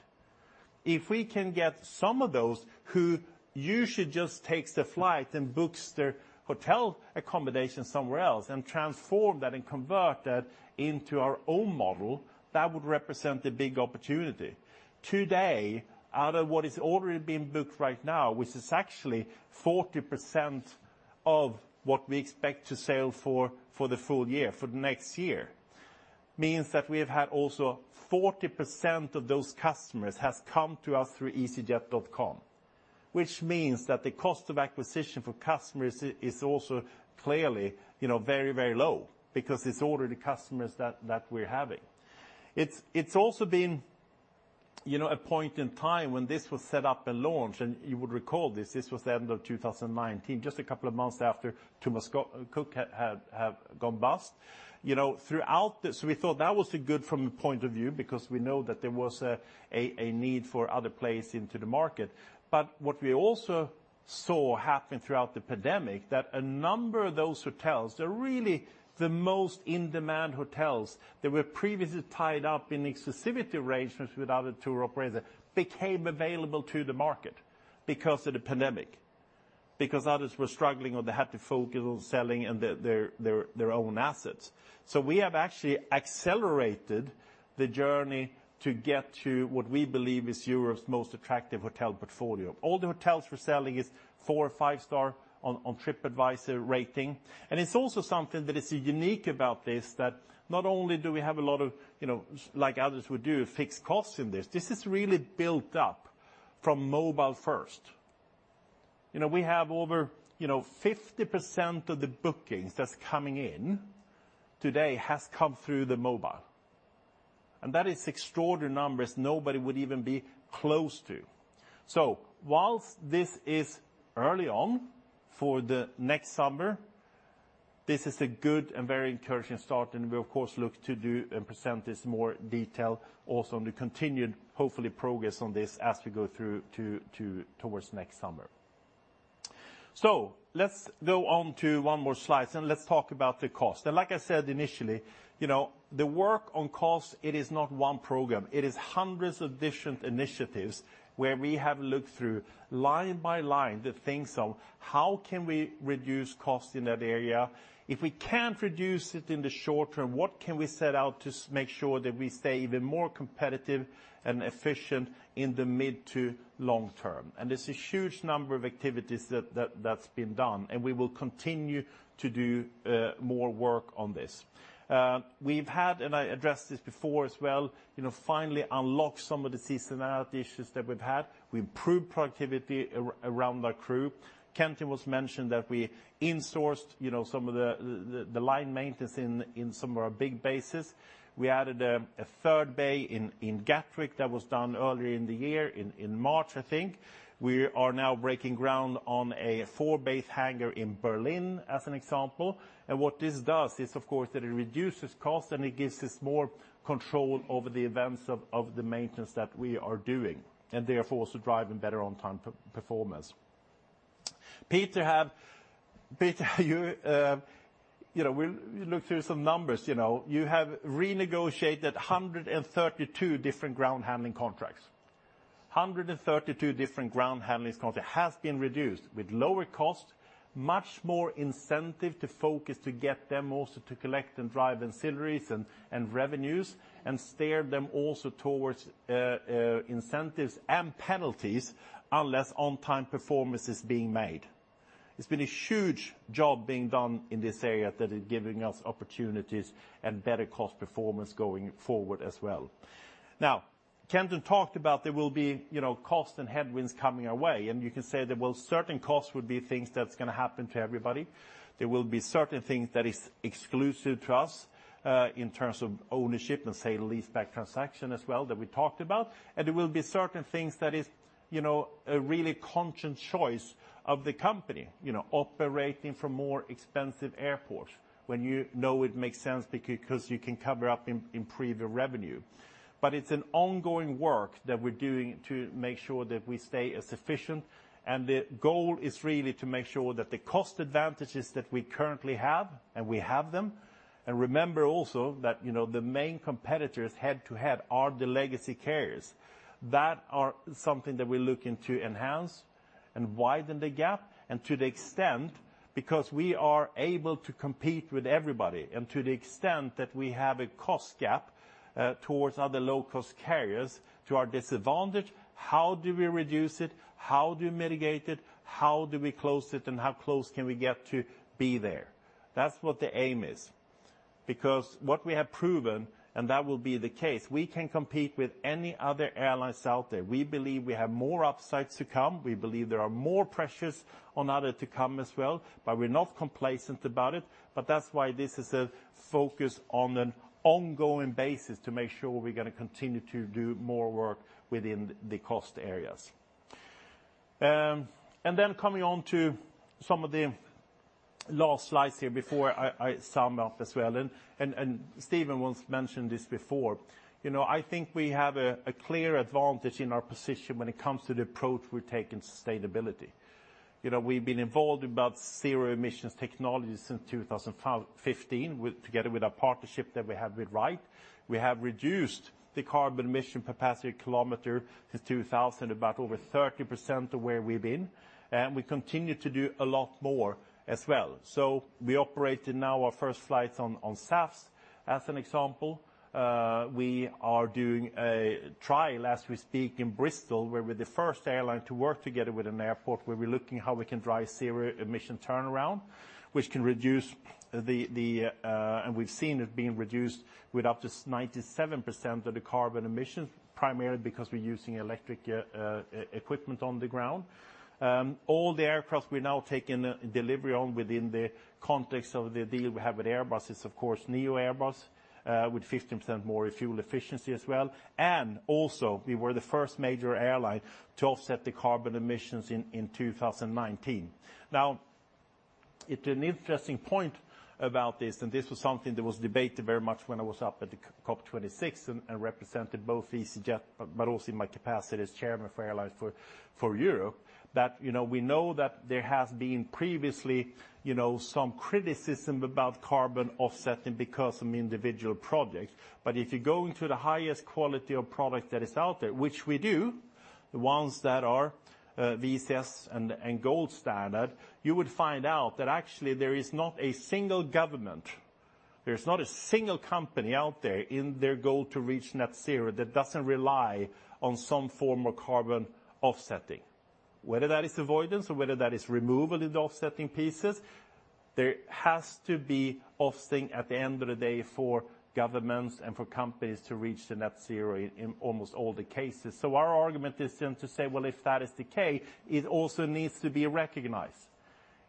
If we can get some of those who usually just takes the flight and books their hotel accommodation somewhere else and transform that and convert that into our own model, that would represent a big opportunity. Today, out of what is already being booked right now, which is actually 40% of what we expect to sell for the full year, for the next year, means that we have had also 40% of those customers has come to us through easyjet.com. Which means that the cost of acquisition for customers is also clearly, you know, very, very low because it's already customers that we're having. It's also been, you know, a point in time when this was set up and launched, and you would recall this was the end of 2019, just a couple of months after Thomas Cook had gone bust. You know, throughout this, we thought that was good from a point of view because we know that there was a need for other players into the market. What we also saw happen throughout the pandemic, that a number of those hotels, they're really the most in-demand hotels that were previously tied up in exclusivity arrangements with other tour operators, became available to the market because of the pandemic, because others were struggling, or they had to focus on selling and their own assets. We have actually accelerated the journey to get to what we believe is Europe's most attractive hotel portfolio. All the hotels we're selling is four or five star on Tripadvisor rating. It's also something that is unique about this, that not only do we have a lot of, you know, like others would do, fixed costs in this. This is really built up from mobile first. You know, we have over, you know, 50% of the bookings that's coming in today has come through the mobile. That is extraordinary numbers nobody would even be close to. While this is early on for the next summer, this is a good and very encouraging start, and we of course look to do and present this more detail also on the continued, hopefully, progress on this as we go through towards next summer. Let's go on to one more slide, and let's talk about the cost. Like I said initially, you know, the work on cost, it is not one program. It is hundreds of different initiatives where we have looked through line by line the things of how can we reduce cost in that area? If we can't reduce it in the short term, what can we set out to make sure that we stay even more competitive and efficient in the mid to long term? It's a huge number of activities that's been done, and we will continue to do more work on this. We've had, and I addressed this before as well, you know, finally unlock some of the seasonality issues that we've had. We improved productivity around our crew. Kenton was mentioned that we insourced, you know, some of the line maintenance in some of our big bases. We added a third bay in Gatwick that was done earlier in the year in March, I think. We are now breaking ground on a four-bay hangar in Berlin, as an example. What this does is of course, that it reduces cost and it gives us more control over the events of the maintenance that we are doing, and therefore also driving better on-time performance. Peter, you know, we'll look through some numbers. You know, you have renegotiated 132 different ground handling contracts have been reduced with lower cost, much more incentive to focus to get them also to collect and drive ancillaries and revenues, and steer them also towards incentives and penalties unless on-time performance is being made. It's been a huge job being done in this area that is giving us opportunities and better cost performance going forward as well. Now, Kenton talked about there will be, you know, costs and headwinds coming our way, and you can say there will certain costs would be things that's gonna happen to everybody. There will be certain things that is exclusive to us in terms of ownership and sale-and-leaseback transaction as well that we talked about. There will be certain things that is, you know, a really conscious choice of the company. You know, operating from more expensive airport when you know it makes sense because you can cover up in premium revenue. It's an ongoing work that we're doing to make sure that we stay as efficient. The goal is really to make sure that the cost advantages that we currently have, and we have them, and remember also that, you know, the main competitors head-to-head are the legacy carriers. That are something that we're looking to enhance and widen the gap, and to the extent because we are able to compete with everybody, and to the extent that we have a cost gap towards other low-cost carriers to our disadvantage, how do we reduce it? How do you mitigate it? How do we close it, and how close can we get to be there? That's what the aim is. Because what we have proven, and that will be the case, we can compete with any other airlines out there. We believe we have more upsides to come. We believe there are more pressures on other to come as well, but we're not complacent about it. That's why this is a focus on an ongoing basis to make sure we're gonna continue to do more work within the cost areas. Then coming on to some of the last slides here before I sum up as well, and Stephen once mentioned this before. You know, I think we have a clear advantage in our position when it comes to the approach we take in sustainability. You know, we've been involved in about zero emissions technologies since 2015 together with a partnership that we have with Wright. We have reduced the carbon emission per passenger kilometer since 2000 about over 30% to where we've been, and we continue to do a lot more as well. We operate in now our first flights on SAF as an example. We are doing a trial as we speak in Bristol, where we're the first airline to work together with an airport, where we're looking how we can drive zero emission turnaround, which can reduce, and we've seen it being reduced with up to 97% of the carbon emissions, primarily because we're using electric equipment on the ground. All the aircraft we're now taking delivery on within the context of the deal we have with Airbus is of course neo Airbus with 15% more fuel efficiency as well. Also, we were the first major airline to offset the carbon emissions in 2019. Now, it's an interesting point about this, and this was something that was debated very much when I was up at the COP26 and represented both easyJet but also in my capacity as chairman for Airlines for Europe. That, you know, we know that there has been previously, you know, some criticism about carbon offsetting because of individual projects. If you go into the highest quality of product that is out there, which we do, the ones that are VCS and Gold Standard, you would find out that actually there is not a single government. There's not a single company out there in their goal to reach net zero that doesn't rely on some form of carbon offsetting. Whether that is avoidance or whether that is removal in the offsetting pieces, there has to be offsetting at the end of the day for governments and for companies to reach the net zero in almost all the cases. Our argument is then to say, well, if that is the case, it also needs to be recognized.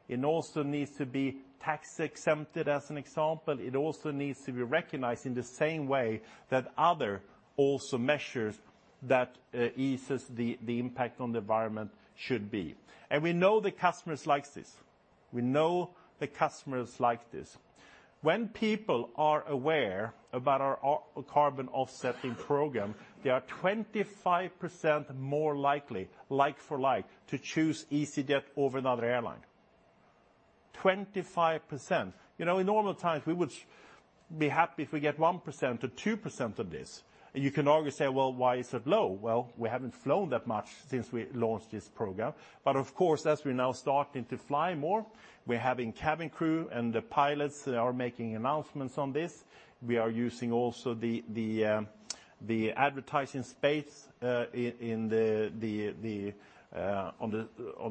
It also needs to be tax exempted, as an example. It also needs to be recognized in the same way that other measures that eases the impact on the environment should be. We know the customers like this. When people are aware about our carbon offsetting program, they are 25% more likely, like for like, to choose easyJet over another airline. 25%. You know, in normal times, we would be happy if we get 1% or 2% of this. You can argue, say, "Well, why is it low?" Well, we haven't flown that much since we launched this program. Of course, as we're now starting to fly more, we're having cabin crew and the pilots are making announcements on this. We are using also the advertising space on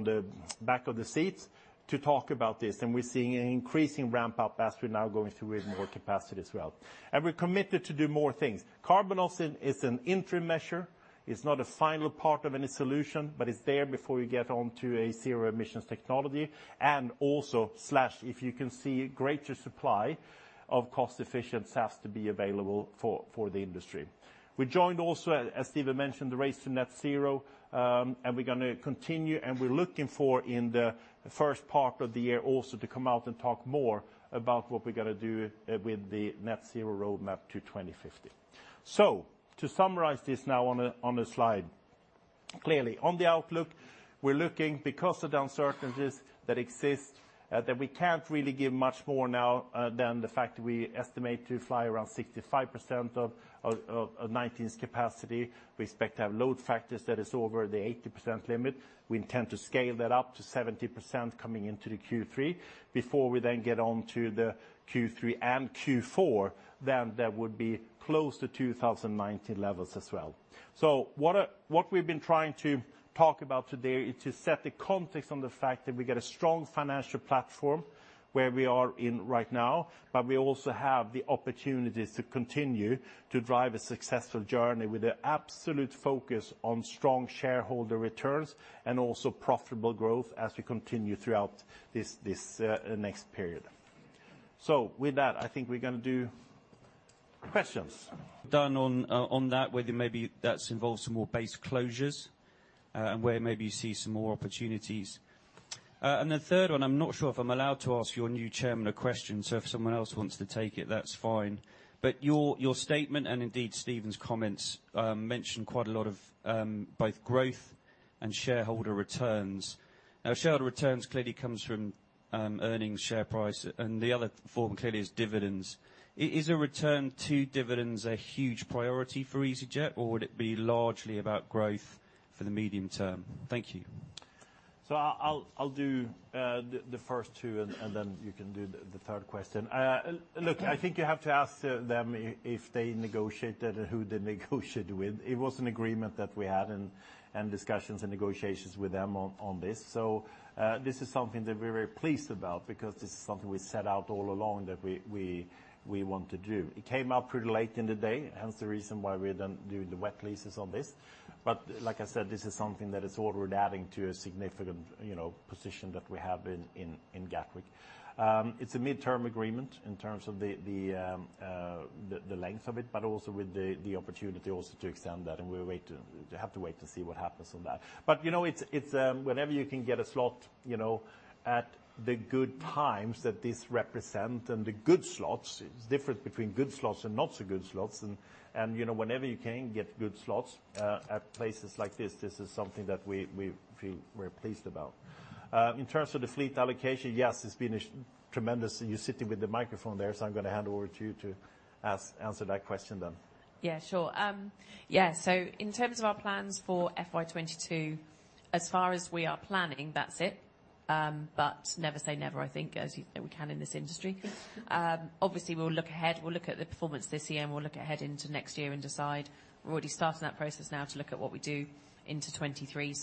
the back of the seats to talk about this. We're seeing an increasing ramp-up as we're now going through with more capacity as well. We're committed to do more things. Carbon offsetting is an interim measure. It's not a final part of any solution, but it's there before you get onto a zero-emissions technology, and also as we see greater supply of cost-efficient SAFs to be available for the industry. We joined also, as Stephen mentioned, the Race to Zero, and we're gonna continue, and we're looking for in the first part of the year also to come out and talk more about what we're gonna do with the net zero roadmap to 2050. To summarize this now on a slide, clearly on the outlook, we're looking because of the uncertainties that exist, that we can't really give much more now, than the fact that we estimate to fly around 65% of 2019's capacity. We expect to have load factors that is over the 80% limit. We intend to scale that up to 70% coming into the Q3. Before we then get on to the Q3 and Q4, then that would be close to 2019 levels as well. What we've been trying to talk about today is to set the context on the fact that we got a strong financial platform where we are in right now, but we also have the opportunities to continue to drive a successful journey with an absolute focus on strong shareholder returns and also profitable growth as we continue throughout this next period. With that, I think we're gonna do Q&A. Done on that, whether maybe that's involved some more base closures, and where maybe you see some more opportunities. The third one, I'm not sure if I'm allowed to ask your new chairman a question, so if someone else wants to take it, that's fine. Your statement and indeed Stephen's comments mention quite a lot of both growth and shareholder returns. Now, shareholder returns clearly comes from earnings share price, and the other form clearly is dividends. Is a return to dividends a huge priority for easyJet, or would it be largely about growth for the medium term? Thank you. I'll do the first two, and then you can do the third question. Look, I think you have to ask them if they negotiated and who they negotiated with. It was an agreement that we had and discussions and negotiations with them on this. This is something that we're very pleased about because this is something we set out all along that we want to do. It came up pretty late in the day, hence the reason why we didn't do the wet leases on this. But like I said, this is something that is already adding to a significant, you know, position that we have in Gatwick. It's a midterm agreement in terms of the length of it, but also with the opportunity also to extend that, and we'll wait to see what happens on that. You know, it's whenever you can get a slot, you know, at the good times that this represent and the good slots, it's different between good slots and not so good slots and, you know, whenever you can get good slots at places like this is something that we feel we're pleased about. In terms of the fleet allocation, yes, it's been a tremendous. You're sitting with the microphone there, so I'm gonna hand over to you to answer that question then. Yeah, sure. Yeah, in terms of our plans for FY 2022, as far as we are planning, that's it. Never say never, I think, as we can in this industry. Obviously, we'll look ahead. We'll look at the performance this year, and we'll look ahead into next year and decide. We're already starting that process now to look at what we do into 2023.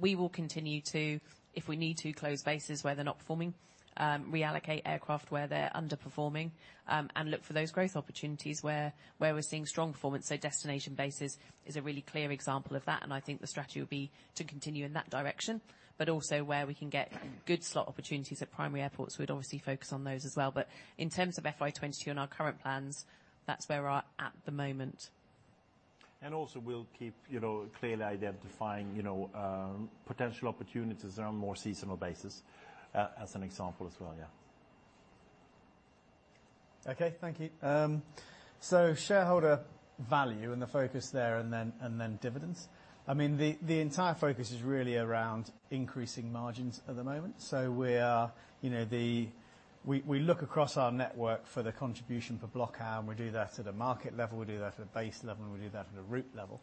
We will continue to, if we need to, close bases where they're not performing, reallocate aircraft where they're underperforming, and look for those growth opportunities where we're seeing strong performance. Destination bases is a really clear example of that, and I think the strategy will be to continue in that direction, but also where we can get good slot opportunities at primary airports. We'd obviously focus on those as well. In terms of FY 2022 and our current plans, that's where we're at the moment. Also we'll keep, you know, clearly identifying, you know, potential opportunities on a more seasonal basis, as an example as well. Yeah. Okay. Thank you. Shareholder value and the focus there and then dividends. I mean, the entire focus is really around increasing margins at the moment. We look across our network for the contribution per block hour, and we do that at a market level, we do that at a base level, and we do that at a route level.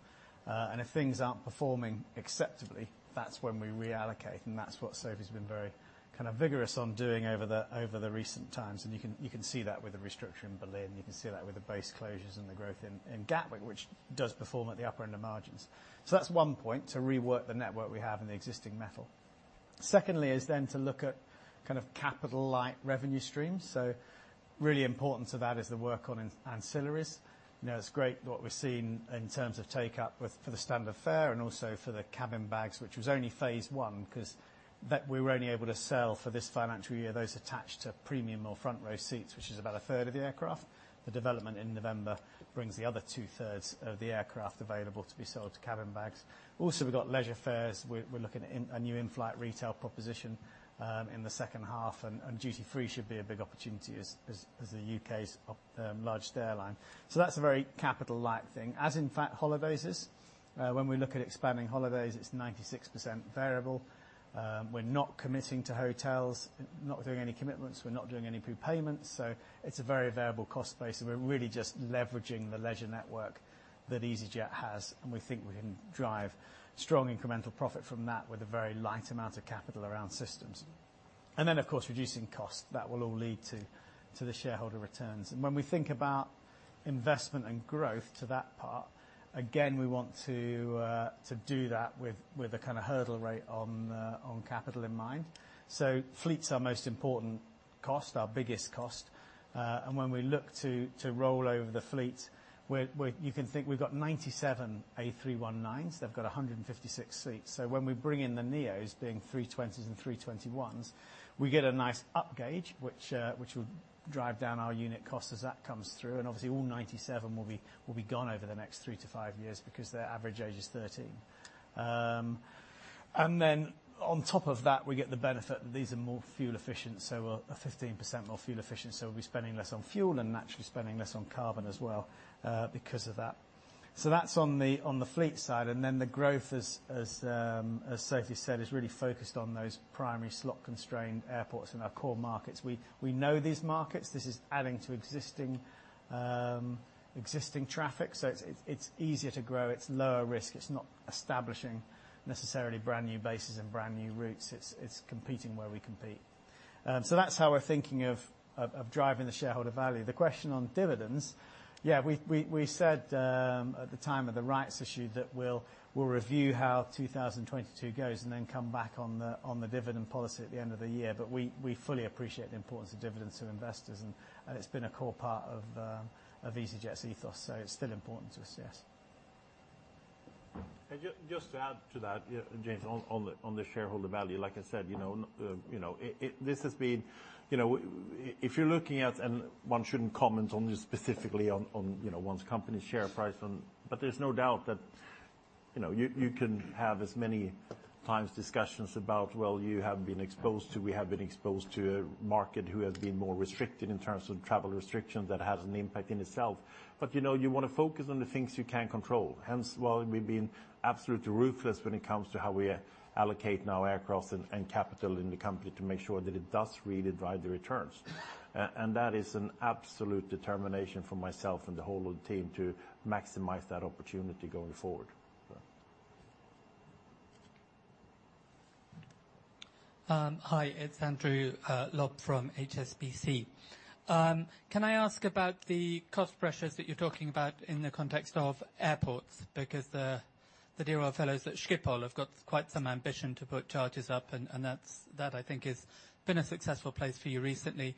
If things aren't performing acceptably, that's when we reallocate. That's what Sophie's been very kind of vigorous on doing over the recent times. You can see that with the restructure in Berlin. You can see that with the base closures and the growth in Gatwick, which does perform at the upper end of margins. That's one point to rework the network we have in the existing metal. Second, it's to look at kind of capital-light revenue streams. Really important to that is the work on in-cabin ancillaries. You know, it's great what we've seen in terms of take-up for the standard fare and also for the cabin bags, which was only phase I, 'cause that we were only able to sell for this financial year, those attached to premium or front row seats, which is about a third of the aircraft. The development in November brings the other two-thirds of the aircraft available to sell cabin bags. Also, we've got Leisure fares. We're looking at a new in-flight retail proposition in the second half and duty free should be a big opportunity as the U.K.'s largest airline. That's a very capital-light thing. As in fact holidays is. When we look at expanding holidays, it's 96% variable. We're not committing to hotels, not doing any commitments. We're not doing any prepayments. It's a very variable cost base, and we're really just leveraging the leisure network that easyJet has, and we think we can drive strong incremental profit from that with a very light amount of capital around systems. Of course, reducing costs. That will all lead to the shareholder returns. When we think about investment and growth to that part, again, we want to do that with a kind of hurdle rate on capital in mind. Fleet's our most important cost, our biggest cost. When we look to roll over the fleet, you can think we've got 97 A319s. They've got 156 seats. When we bring in the NEOs, being A320s and A321s, we get a nice upgauge, which will drive down our unit cost as that comes through. Obviously all 97 will be gone over the next three-five years because their average age is 13. Then on top of that, we get the benefit that these are more fuel efficient, so we're 15% more fuel efficient, so we'll be spending less on fuel and naturally spending less on carbon as well because of that. That's on the fleet side. Then the growth, as Sophie said, is really focused on those primary slot-constrained airports in our core markets. We know these markets. This is adding to existing traffic, so it's easier to grow. It's lower risk. It's not establishing necessarily brand new bases and brand new routes. It's competing where we compete. That's how we're thinking of driving the shareholder value. The question on dividends, yeah, we said at the time of the rights issue that we'll review how 2022 goes and then come back on the dividend policy at the end of the year. We fully appreciate the importance of dividends to investors, and it's been a core part of easyJet's ethos, so it's still important to us, yes. Just to add to that, yeah, James, on the shareholder value, like I said, you know, you know, it, this has been, you know, if you're looking at, and one shouldn't comment on this specifically on, you know, one's company's share price. There's no doubt that, you know, you can have as many times discussions about, well, you have been exposed to, we have been exposed to a market who has been more restricted in terms of travel restrictions that has an impact in itself. You wanna focus on the things you can control. Hence, while we've been absolutely ruthless when it comes to how we allocate now aircraft and capital in the company to make sure that it does really drive the returns. That is an absolute determination for myself and the whole of the team to maximize that opportunity going forward. So. Hi. It's Andrew Lob from HSBC. Can I ask about the cost pressures that you're talking about in the context of airports? Because the dear old fellows at Schiphol have got quite some ambition to put charges up, and that's, I think, been a successful place for you recently.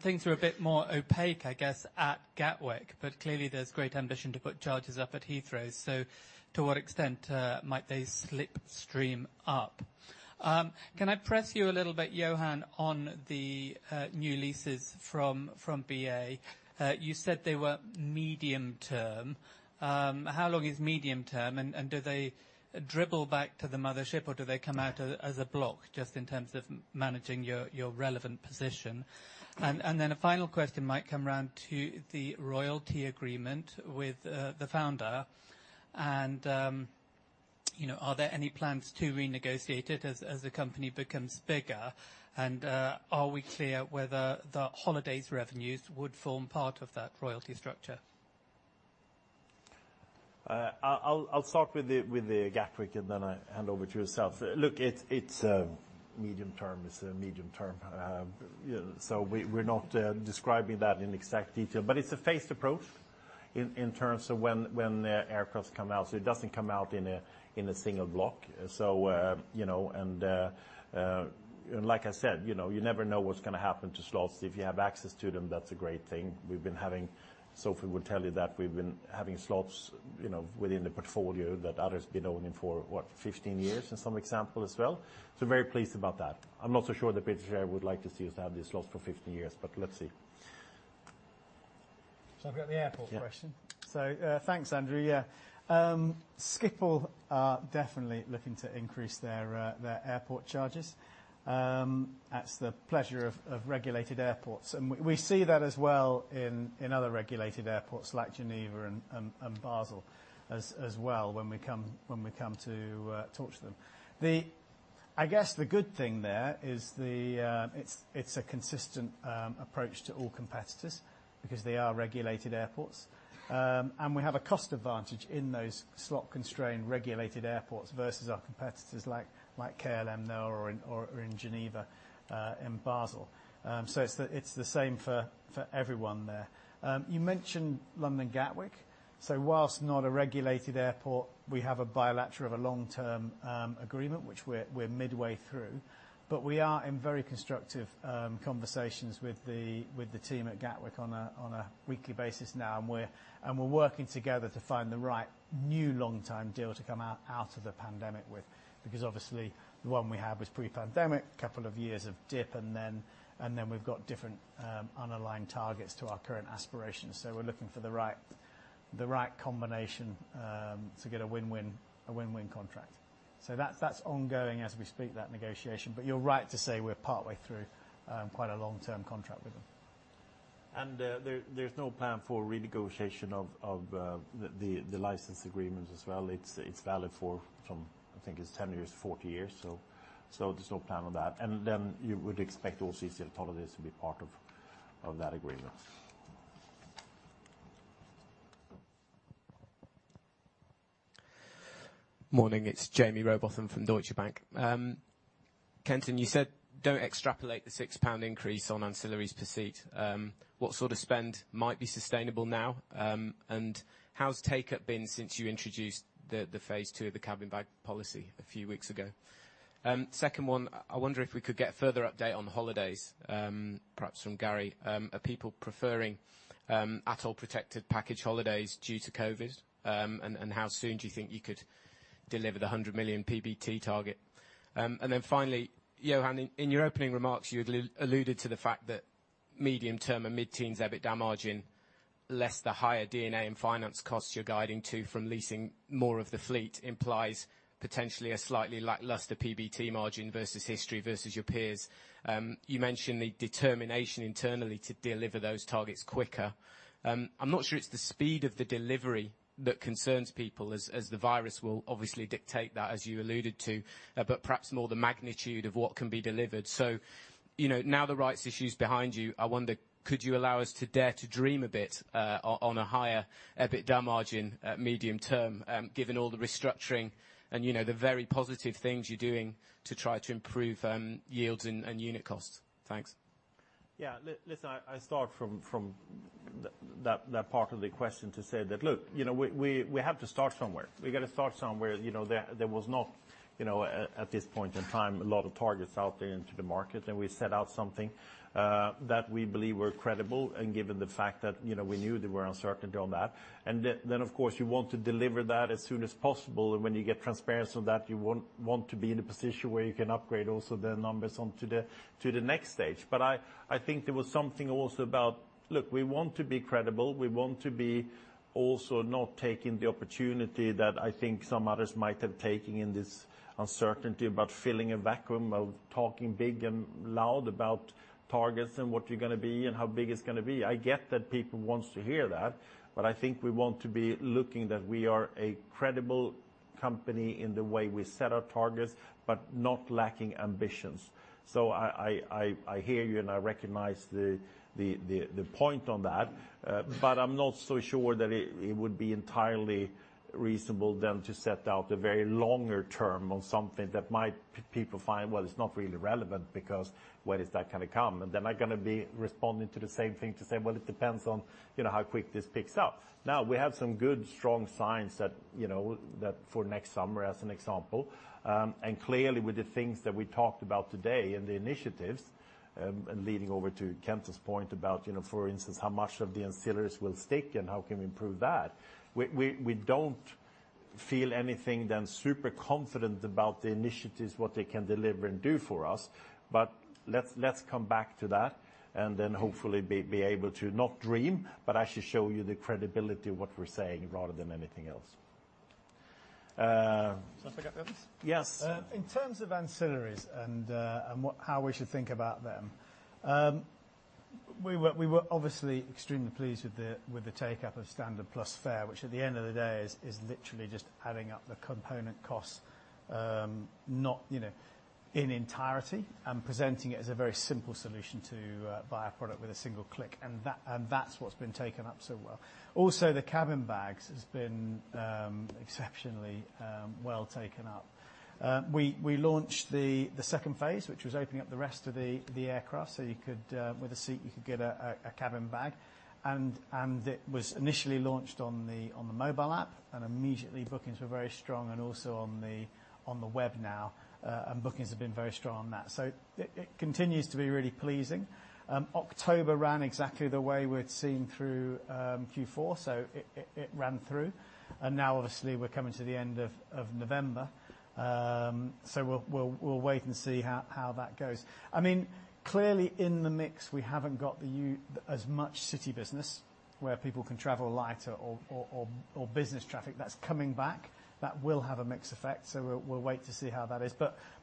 Things are a bit more opaque, I guess, at Gatwick, but clearly there's great ambition to put charges up at Heathrow. To what extent might they slipstream up? Can I press you a little bit, Johan, on the new leases from BA? You said they were medium term. How long is medium term? And do they dribble back to the mothership, or do they come out as a block, just in terms of managing your relevant position? Then a final question might come round to the royalty agreement with the founder. You know, are there any plans to renegotiate it as the company becomes bigger? Are we clear whether the holidays revenues would form part of that royalty structure? I'll start with the Gatwick and then I'll hand over to yourself. Look, it's medium term. It's a medium term. You know, we're not describing that in exact detail. It's a phased approach in terms of when the aircraft come out, so it doesn't come out in a single block. You know, like I said, you know, you never know what's gonna happen to slots. If you have access to them, that's a great thing. Sophie will tell you that we've been having slots, you know, within the portfolio that others been owning for, what? 15 years in some example as well. Very pleased about that. I'm not so sure the British Airways would like to see us have these slots for 15 years, but let's see. Shall I get the airport question? Yeah. Thanks, Andrew. Yeah. Schiphol are definitely looking to increase their airport charges. That's the pleasure of regulated airports. We see that as well in other regulated airports like Geneva and Basel as well when we come to talk to them. I guess the good thing there is it's a consistent approach to all competitors because they are regulated airports. We have a cost advantage in those slot-constrained regulated airports versus our competitors like KLM there or in Geneva in Basel. It's the same for everyone there. You mentioned London Gatwick. Whilst not a regulated airport, we have a bilateral of a long-term agreement, which we're midway through. We are in very constructive conversations with the team at Gatwick on a weekly basis now, and we're working together to find the right new long-term deal to come out of the pandemic with. Because obviously the one we had was pre-pandemic, couple of years of dip, and then we've got different unaligned targets to our current aspirations. We're looking for the right combination to get a win-win contract. That's ongoing as we speak, that negotiation. You're right to say we're partway through quite a long-term contract with them. There's no plan for renegotiation of the license agreement as well. It's valid from, I think it's 10 years, 40 years. There's no plan on that. You would expect also easyJet holidays to be part of that agreement. Morning, it's Jaime Rowbotham from Deutsche Bank. Kenton, you said don't extrapolate the 6 pound increase on ancillaries per seat. What sort of spend might be sustainable now? And how's take-up been since you introduced the phase two of the cabin bag policy a few weeks ago? Second one, I wonder if we could get further update on holidays, perhaps from Garry. Are people preferring ATOL-protected package holidays due to COVID? And how soon do you think you could deliver the 100 million PBT target? And then finally, Johan, in your opening remarks, you alluded to the fact that medium term and mid-teens EBITDA margin, less the higher D&A and finance costs you're guiding to from leasing more of the fleet implies potentially a slightly lackluster PBT margin versus history, versus your peers. You mentioned the determination internally to deliver those targets quicker. I'm not sure it's the speed of the delivery that concerns people as the virus will obviously dictate that, as you alluded to, but perhaps more the magnitude of what can be delivered. You know, now the rights issue's behind you, I wonder, could you allow us to dare to dream a bit, on a higher EBITDA margin at medium term, given all the restructuring and, you know, the very positive things you're doing to try to improve, yields and unit costs? Thanks. Yeah. Listen, I start from that part of the question to say that, look, you know, we have to start somewhere. We've got to start somewhere. You know, there was not, you know, at this point in time, a lot of targets out there into the market, and we set out something that we believe were credible, and given the fact that, you know, we knew there were uncertainty on that. Then, of course, you want to deliver that as soon as possible, and when you get transparency on that, you want to be in a position where you can upgrade also the numbers to the next stage. I think there was something also about, look, we want to be credible. We want to be also not taking the opportunity that I think some others might have taken in this uncertainty about filling a vacuum, of talking big and loud about targets and what you're gonna be and how big it's gonna be. I get that people wants to hear that, but I think we want to be looking that we are a credible company in the way we set our targets, but not lacking ambitions. I hear you and I recognize the point on that, but I'm not so sure that it would be entirely reasonable then to set out a very longer term on something that might people find, well, it's not really relevant because when is that gonna come? They're not gonna be responding to the same thing to say, "Well, it depends on, you know, how quick this picks up." Now, we have some good, strong signs that, you know, that for next summer, as an example, and clearly with the things that we talked about today and the initiatives, and leading over to Kenton's point about, you know, for instance, how much of the ancillaries will stick and how can we improve that? We don't feel anything other than super confident about the initiatives, what they can deliver and do for us. But let's come back to that, and then hopefully be able to not dream, but actually show you the credibility of what we're saying rather than anything else. Shall I pick up the others? Yes. In terms of ancillaries and how we should think about them, we were obviously extremely pleased with the take-up of Standard Plus fare, which at the end of the day is literally just adding up the component costs, not, you know, in entirety, and presenting it as a very simple solution to buy a product with a single click. That's what's been taken up so well. Also, the cabin bags has been exceptionally well taken up. We launched the second phase, which was opening up the rest of the aircraft, so you could, with a seat, get a cabin bag. It was initially launched on the mobile app, and immediately bookings were very strong and also on the web now, and bookings have been very strong on that. It continues to be really pleasing. October ran exactly the way we'd seen through Q4, so it ran through. Now obviously we're coming to the end of November, so we'll wait and see how that goes. I mean, clearly in the mix, we haven't got as much city business where people can travel lighter or business traffic that's coming back. That will have a mixed effect, so we'll wait to see how that is.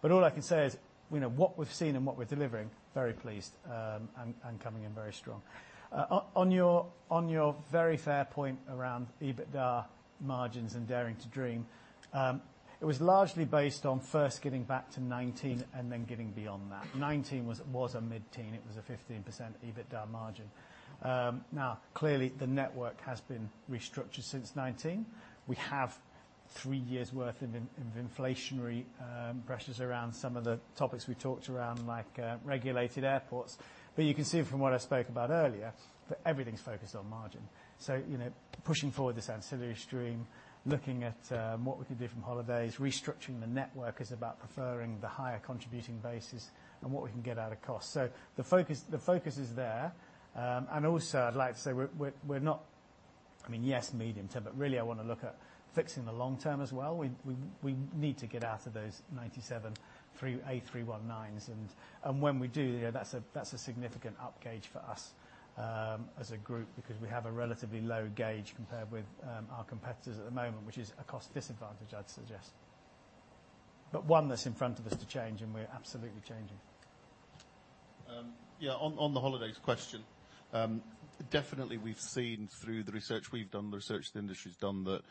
All I can say is, you know, what we've seen and what we're delivering, very pleased, and coming in very strong. On your very fair point around EBITDA margins and daring to dream, it was largely based on first getting back to 2019 and then getting beyond that. 2019 was a mid-teen. It was a 15% EBITDA margin. Now, clearly the network has been restructured since 2019. We have three years' worth of inflationary pressures around some of the topics we talked around, like regulated airports. You can see from what I spoke about earlier that everything's focused on margin. You know, pushing forward this ancillary stream, looking at what we can do from holidays, restructuring the network is about preferring the higher contributing basis and what we can get out of cost. The focus is there. Also, I'd like to say we're not, I mean, yes, medium-term, but really I want to look at fixing the long term as well. We need to get out of those 97 A319s and when we do, you know, that's a significant upgauge for us as a group because we have a relatively low gauge compared with our competitors at the moment, which is a cost disadvantage, I'd suggest. One that's in front of us to change, and we're absolutely changing. Yeah, on the holidays question, definitely we've seen through the research we've done, the research the industry's done that,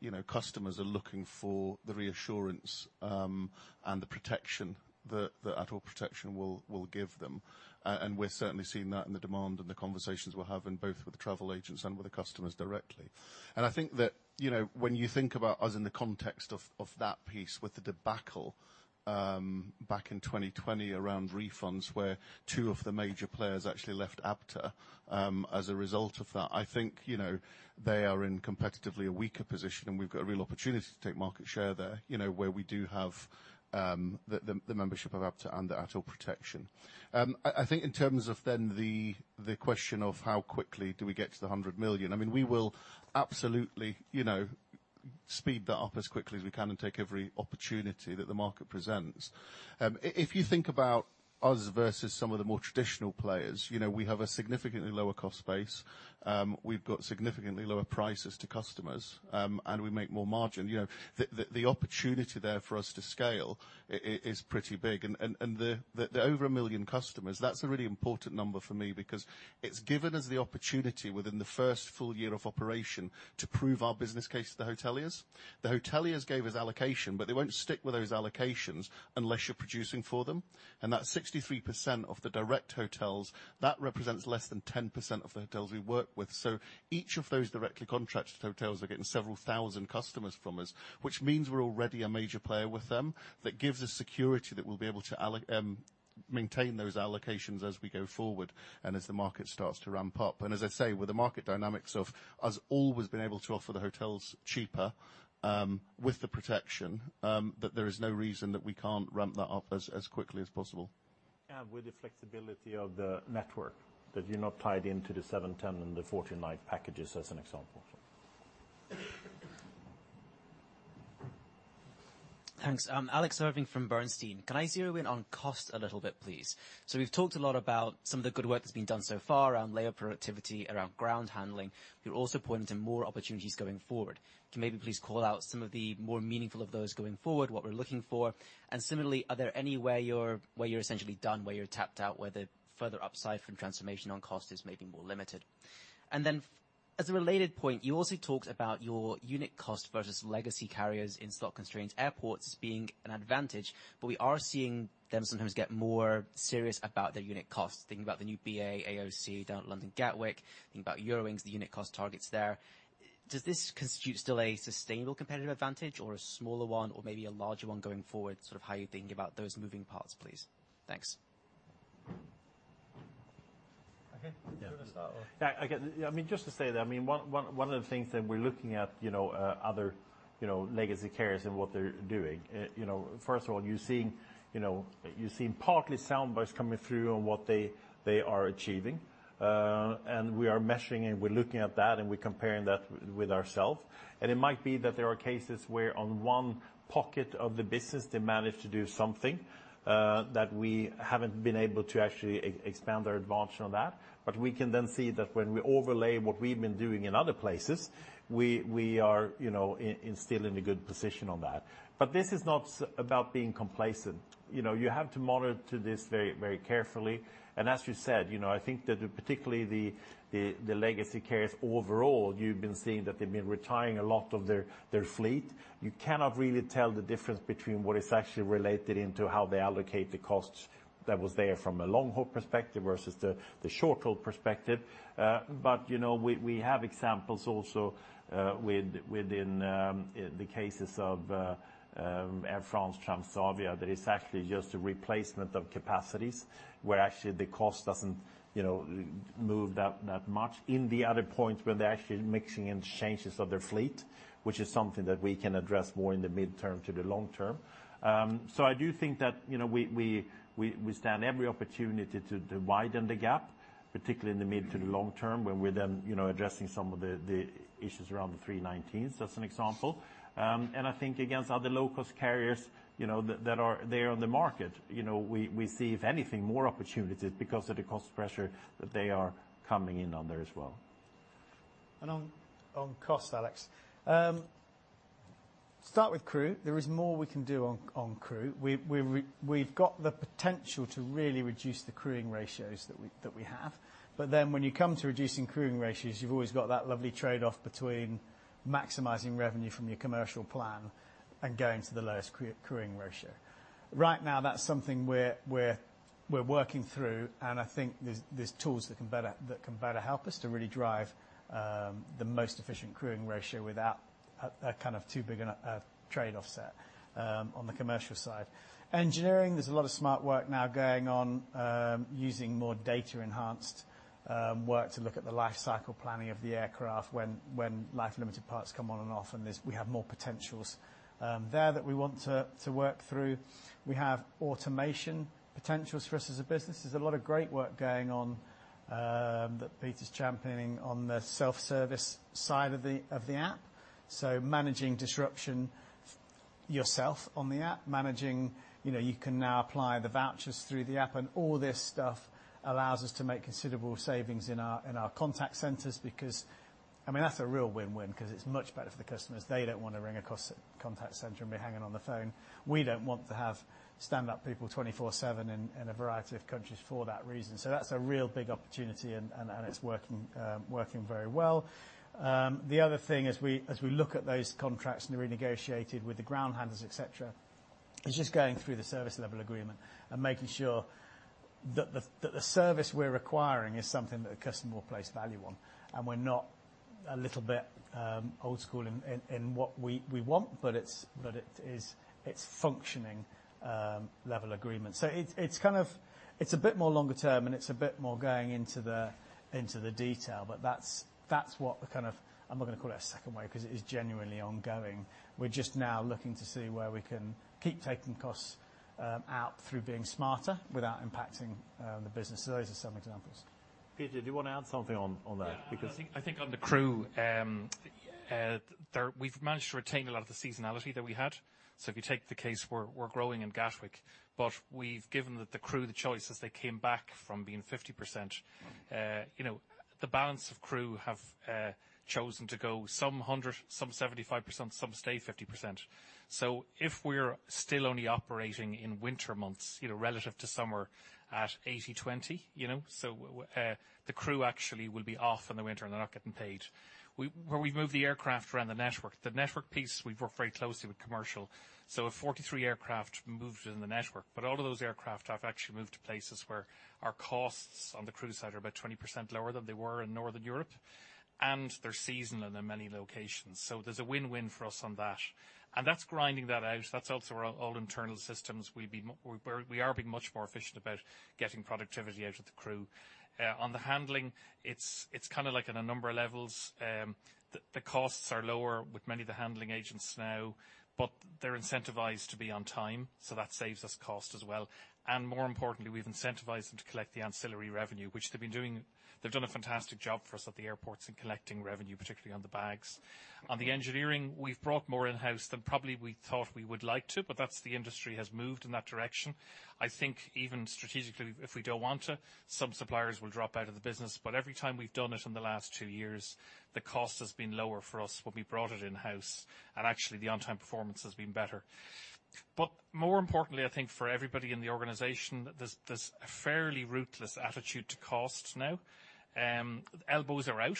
you know, customers are looking for the reassurance, and the protection that ATOL protection will give them. We're certainly seeing that in the demand and the conversations we're having both with the travel agents and with the customers directly. I think that, you know, when you think about us in the context of that piece with the debacle back in 2020 around refunds where two of the major players actually left ABTA as a result of that, I think, you know, they are in competitively a weaker position, and we've got a real opportunity to take market share there, you know, where we do have the membership of ABTA and the ATOL protection. I think in terms of the question of how quickly do we get to the 100 million, I mean, we will absolutely, you know, speed that up as quickly as we can and take every opportunity that the market presents. If you think about us versus some of the more traditional players, you know, we have a significantly lower cost base, we've got significantly lower prices to customers, and we make more margin. You know, the opportunity there for us to scale is pretty big and the over a million customers, that's a really important number for me because it's given us the opportunity within the first full year of operation to prove our business case to the hoteliers. The hoteliers gave us allocation, but they won't stick with those allocations unless you're producing for them. That 63% of the direct hotels, that represents less than 10% of the hotels we work with. Each of those directly contracted hotels are getting several thousand customers from us, which means we're already a major player with them. That gives us security that we'll be able to Maintain those allocations as we go forward and as the market starts to ramp up. As I say, with the market dynamics of us always been able to offer the hotels cheaper, with the protection, that there is no reason that we can't ramp that up as quickly as possible. With the flexibility of the network, that you're not tied into the seven-10 and the 14-night packages as an example. Thanks. Alex Irving from Bernstein. Can I zero in on cost a little bit, please? We've talked a lot about some of the good work that's been done so far around labor productivity, around ground handling. You're also pointing to more opportunities going forward. Can you maybe please call out some of the more meaningful of those going forward, what we're looking for? Similarly, are there any where you're essentially done, where you're tapped out, where the further upside from transformation on cost is maybe more limited? Then as a related point, you also talked about your unit cost versus legacy carriers in slot-constrained airports as being an advantage. We are seeing them sometimes get more serious about their unit costs. Thinking about the new BA AOC down at London Gatwick, thinking about Eurowings, the unit cost targets there. Does this constitute still a sustainable competitive advantage or a smaller one or maybe a larger one going forward? Sort of how you're thinking about those moving parts, please. Thanks. Okay. Do you want to start or? Yeah, I get. I mean, just to say that, I mean, one of the things that we're looking at, you know, other, you know, legacy carriers and what they're doing. You know, first of all, you're seeing partly sound bites coming through on what they are achieving. We are measuring and we're looking at that, and we're comparing that with ourselves. It might be that there are cases where on one pocket of the business they manage to do something that we haven't been able to actually expand our advantage on that. We can then see that when we overlay what we've been doing in other places, we are still in a good position on that. This is not about being complacent. You know, you have to monitor this very, very carefully. As you said, you know, I think that particularly the legacy carriers overall, you've been seeing that they've been retiring a lot of their fleet. You cannot really tell the difference between what is actually related to how they allocate the costs that were there from a long-haul perspective versus the short-haul perspective. You know, we have examples also within the cases of Air France, Transavia, that it's actually just a replacement of capacities, where actually the cost doesn't move that much. In the other points, where they're actually mixing in changes of their fleet, which is something that we can address more in the mid-term to the long term. I do think that, you know, we stand every opportunity to widen the gap, particularly in the mid to the long term, when we're then, you know, addressing some of the issues around the A319s, as an example. I think against other low-cost carriers, you know, that are there on the market. You know, we see, if anything, more opportunities because of the cost pressure that they are coming in on there as well. On cost, Alex. Start with crew. There is more we can do on crew. We've got the potential to really reduce the crewing ratios that we have. But then when you come to reducing crewing ratios, you've always got that lovely trade-off between maximizing revenue from your commercial plan and going to the lowest crewing ratio. Right now, that's something we're working through, and I think there's tools that can better help us to really drive the most efficient crewing ratio without a kind of too big a trade-off on the commercial side. Engineering, there's a lot of smart work now going on using more data-enhanced work to look at the life cycle planning of the aircraft when life-limited parts come on and off. We have more potentials there that we want to work through. We have automation potentials for us as a business. There's a lot of great work going on that Peter's championing on the self-service side of the app, managing disruption yourself on the app, managing, you know, you can now apply the vouchers through the app. All this stuff allows us to make considerable savings in our contact centers. I mean, that's a real win-win because it's much better for the customers. They don't want to ring a call center and be hanging on the phone. We don't want to have standby people 24/7 in a variety of countries for that reason. That's a real big opportunity and it's working very well. The other thing as we look at those contracts and they're renegotiated with the ground handlers, et cetera, is just going through the service level agreement and making sure that the service we're acquiring is something that a customer will place value on. We're a little bit old school in what we want, but it is functioning level agreement. It's kind of a bit more longer term, and it's a bit more going into the detail, but that's what the kind of, I'm not going to call it a second wave because it is genuinely ongoing. We're just now looking to see where we can keep taking costs out through being smarter without impacting the business. Those are some examples. Peter, do you want to add something on that? Yeah. I think on the crew, we've managed to retain a lot of the seasonality that we had. If you take the case, we're growing in Gatwick, but we've given the crew the choice as they came back from being 50%. You know, the balance of crew have chosen to go some 100%, some 75%, some stay 50%. If we're still only operating in winter months, you know, relative to summer at 80/20, you know, the crew actually will be off in the winter, and they're not getting paid. Where we've moved the aircraft around the network, the network piece, we've worked very closely with commercial. 43 aircraft moved in the network, but all of those aircraft have actually moved to places where our costs on the crew side are about 20% lower than they were in Northern Europe. They're seasonal in many locations. There's a win-win for us on that. That's grinding that out. That's also all our internal systems. We are being much more efficient about getting productivity out of the crew. On the handling, it's kind of like in a number of levels, the costs are lower with many of the handling agents now, but they're incentivized to be on time, so that saves us cost as well. More importantly, we've incentivized them to collect the ancillary revenue, which they've been doing. They've done a fantastic job for us at the airports in collecting revenue, particularly on the bags. On the engineering, we've brought more in-house than probably we thought we would like to, but that's as the industry has moved in that direction. I think even strategically, if we don't want to, some suppliers will drop out of the business, but every time we've done it in the last two years, the cost has been lower for us when we brought it in-house. Actually the on-time performance has been better. More importantly, I think for everybody in the organization, there's a fairly ruthless attitude to cost now. Elbows are out,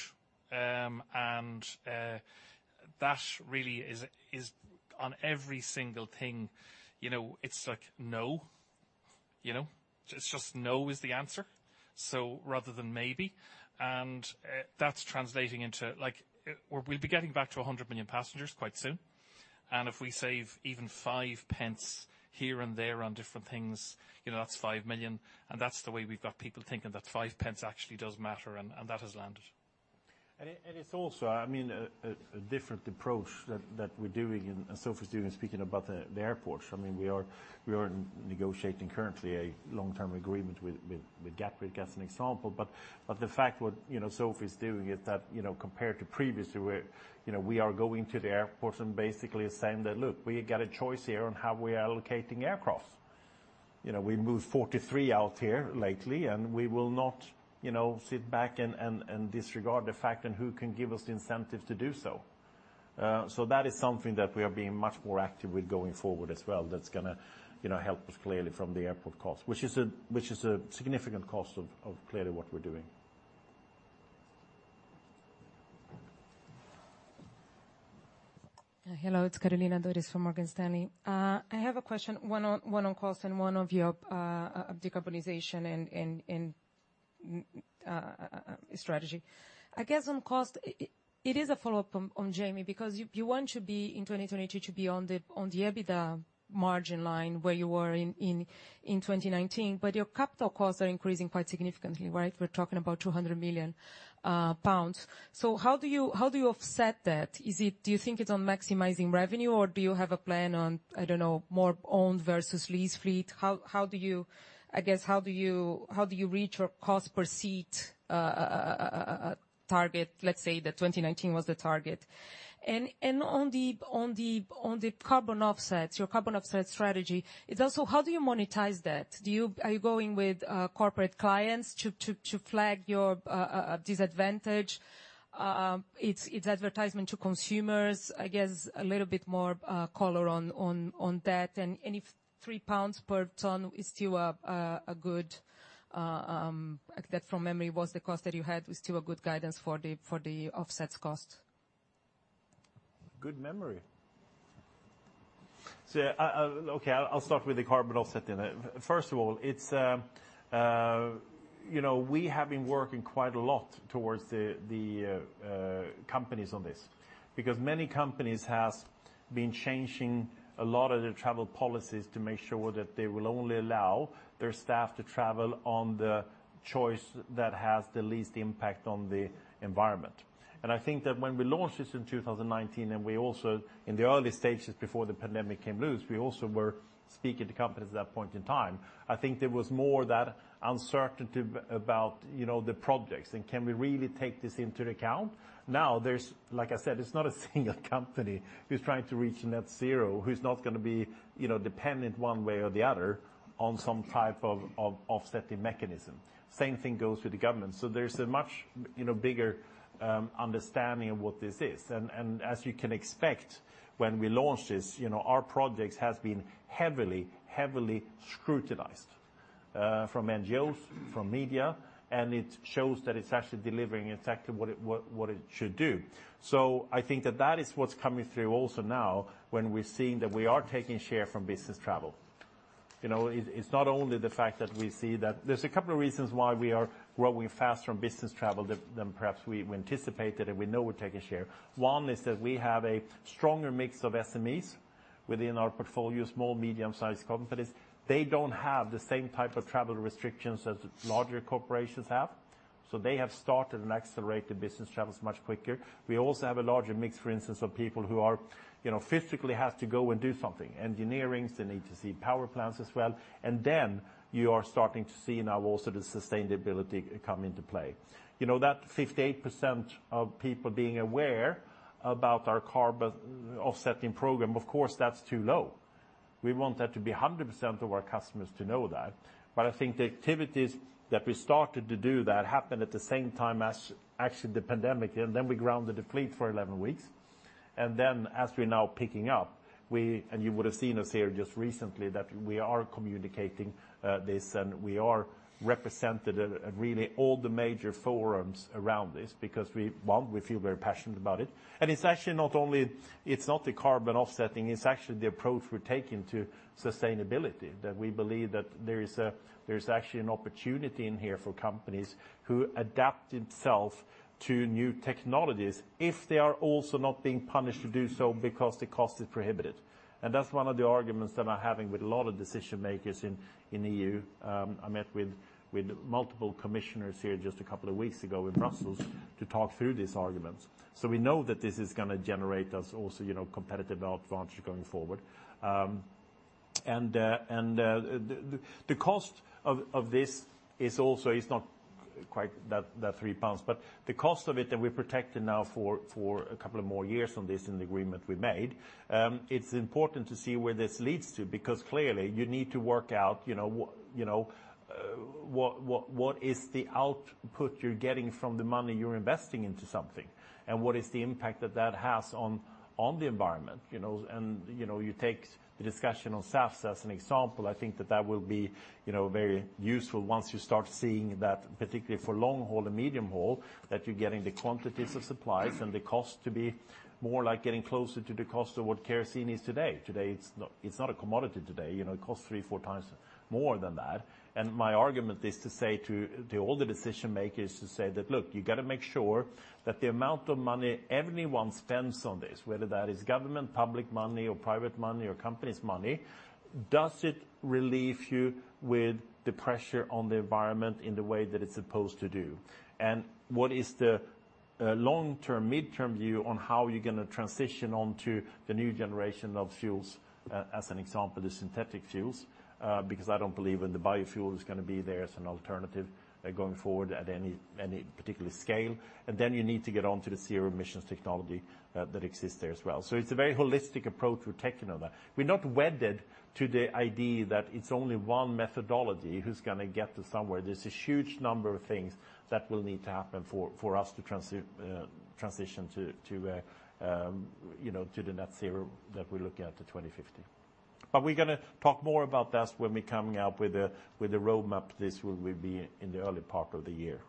and that really is on every single thing, you know, it's like, "No." You know. It's just no is the answer, so rather than maybe. That's translating into like we'll be getting back to 100 million passengers quite soon, and if we save even 0.05 here and there on different things, you know, that's 5 million. That's the way we've got people thinking that 0.5 pence actually does matter, and that has landed. It is also, I mean, a different approach that we're doing and Sophie's doing, speaking about the airport. I mean, we are negotiating currently a long-term agreement with Gatwick as an example. The fact what you know, Sophie is doing is that, you know, compared to previously where, you know, we are going to the airports and basically saying that, "Look, we've got a choice here on how we are allocating aircraft." You know, we moved 43 out here lately, and we will not, you know, sit back and disregard the fact and who can give us the incentive to do so. That is something that we are being much more active with going forward as well, that's gonna, you know, help us clearly from the airport cost. Which is a significant cost of clearly what we're doing. Hello, it's Carolina Dores from Morgan Stanley. I have a question, one on cost and one on decarbonization and strategy. I guess on cost, it is a follow-up on Jaime, because you want to be in 2022 to be on the EBITDA margin line where you were in 2019, but your capital costs are increasing quite significantly, right? We're talking about 200 million pounds. So how do you offset that? Is it? Do you think it's on maximizing revenue, or do you have a plan on, I don't know, more owned versus leased fleet? How do you. I guess, how do you reach your cost per seat target, let's say that 2019 was the target? On the carbon offsets, your carbon offset strategy, it's also how do you monetize that? Are you going with corporate clients to flag your advantage? It's advertising to consumers. I guess a little bit more color on that. If 3 pounds per ton is still a good guidance for the offsets cost. That from memory was the cost that you had was to a good guidance for the offset cause. Good memory. Okay, I'll start with the carbon offset then. First of all, it's, you know, we have been working quite a lot towards the companies on this. Because many companies has been changing a lot of their travel policies to make sure that they will only allow their staff to travel on the choice that has the least impact on the environment. I think that when we launched this in 2019, and we also, in the early stages before the pandemic came along, we also were speaking to companies at that point in time. I think there was more uncertainty about, you know, the projects, and can we really take this into account? Now, there's, like I said, it's not a single company who's trying to reach net zero, who's not gonna be, you know, dependent one way or the other on some type of offsetting mechanism. Same thing goes with the government. There's a much, you know, bigger understanding of what this is. And as you can expect, when we launched this, you know, our projects has been heavily scrutinized from NGOs, from media, and it shows that it's actually delivering exactly what it should do. I think that is what's coming through also now when we're seeing that we are taking share from business travel. You know, it's not only the fact that we see that. There's a couple of reasons why we are growing faster in business travel than perhaps we anticipated, and we know we're taking share. One is that we have a stronger mix of SMEs within our portfolio, small, medium-sized companies. They don't have the same type of travel restrictions as larger corporations have. They have started and accelerated business travels much quicker. We also have a larger mix, for instance, of people who are, you know, physically have to go and do something. Engineers, they need to see power plants as well. You are starting to see now also the sustainability come into play. You know, that 58% of people being aware about our carbon offsetting program, of course, that's too low. We want that to be 100% of our customers to know that. I think the activities that we started to do that happened at the same time as actually the pandemic, and then we grounded the fleet for 11 weeks. As we're now picking up, we, and you would have seen us here just recently, that we are communicating this, and we are represented at really all the major forums around this because we, one, we feel very passionate about it. It's actually not only, it's not the carbon offsetting, it's actually the approach we're taking to sustainability, that we believe there is actually an opportunity in here for companies who adapt itself to new technologies if they are also not being punished to do so because the cost is prohibited. That's one of the arguments that I'm having with a lot of decision makers in EU. I met with multiple commissioners here just a couple of weeks ago in Brussels to talk through these arguments. We know that this is gonna generate us also, you know, competitive advantage going forward. The cost of this is also not quite that 3 pounds. The cost of it that we're protected now for a couple of more years on this in the agreement we made. It's important to see where this leads to, because clearly you need to work out, you know, what is the output you're getting from the money you're investing into something, and what is the impact that that has on the environment, you know. You know, you take the discussion on SAF as an example. I think that will be, you know, very useful once you start seeing that, particularly for long haul and medium haul, that you're getting the quantities of supplies and the cost to be more like getting closer to the cost of what kerosene is today. Today it's not a commodity today, you know. It costs three, four times more than that. My argument is to say to all the decision-makers, to say that, "Look, you gotta make sure that the amount of money everyone spends on this, whether that is government, public money or private money or company's money, does it relieve you with the pressure on the environment in the way that it's supposed to do? What is the long-term, mid-term view on how you're gonna transition onto the new generation of fuels, as an example, the synthetic fuels? Because I don't believe in the biofuel is gonna be there as an alternative, going forward at any particular scale. Then you need to get onto the zero emissions technology that exists there as well. It's a very holistic approach we're taking on that. We're not wedded to the idea that it's only one methodology who's gonna get to somewhere. There's a huge number of things that will need to happen for us to transition to, you know, to the net zero that we're looking at to 2050. We're gonna talk more about that when we're coming out with the roadmap. This will be in the early part of the year.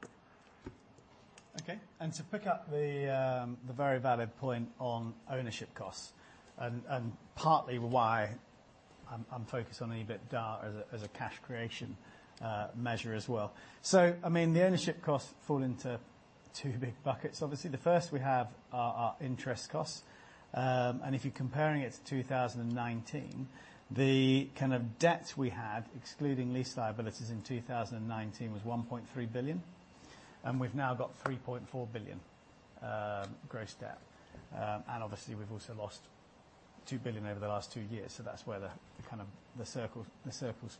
Okay. To pick up the very valid point on ownership costs and partly why I'm focused on EBITDAR as a cash creation measure as well. I mean, the ownership costs fall into two big buckets, obviously. The first we have are interest costs. If you're comparing it to 2019, the kind of debt we had, excluding lease liabilities in 2019 was 1.3 billion, and we've now got 3.4 billion gross debt. Obviously, we've also raised 2 billion over the last two years, so that's where the kind of the circle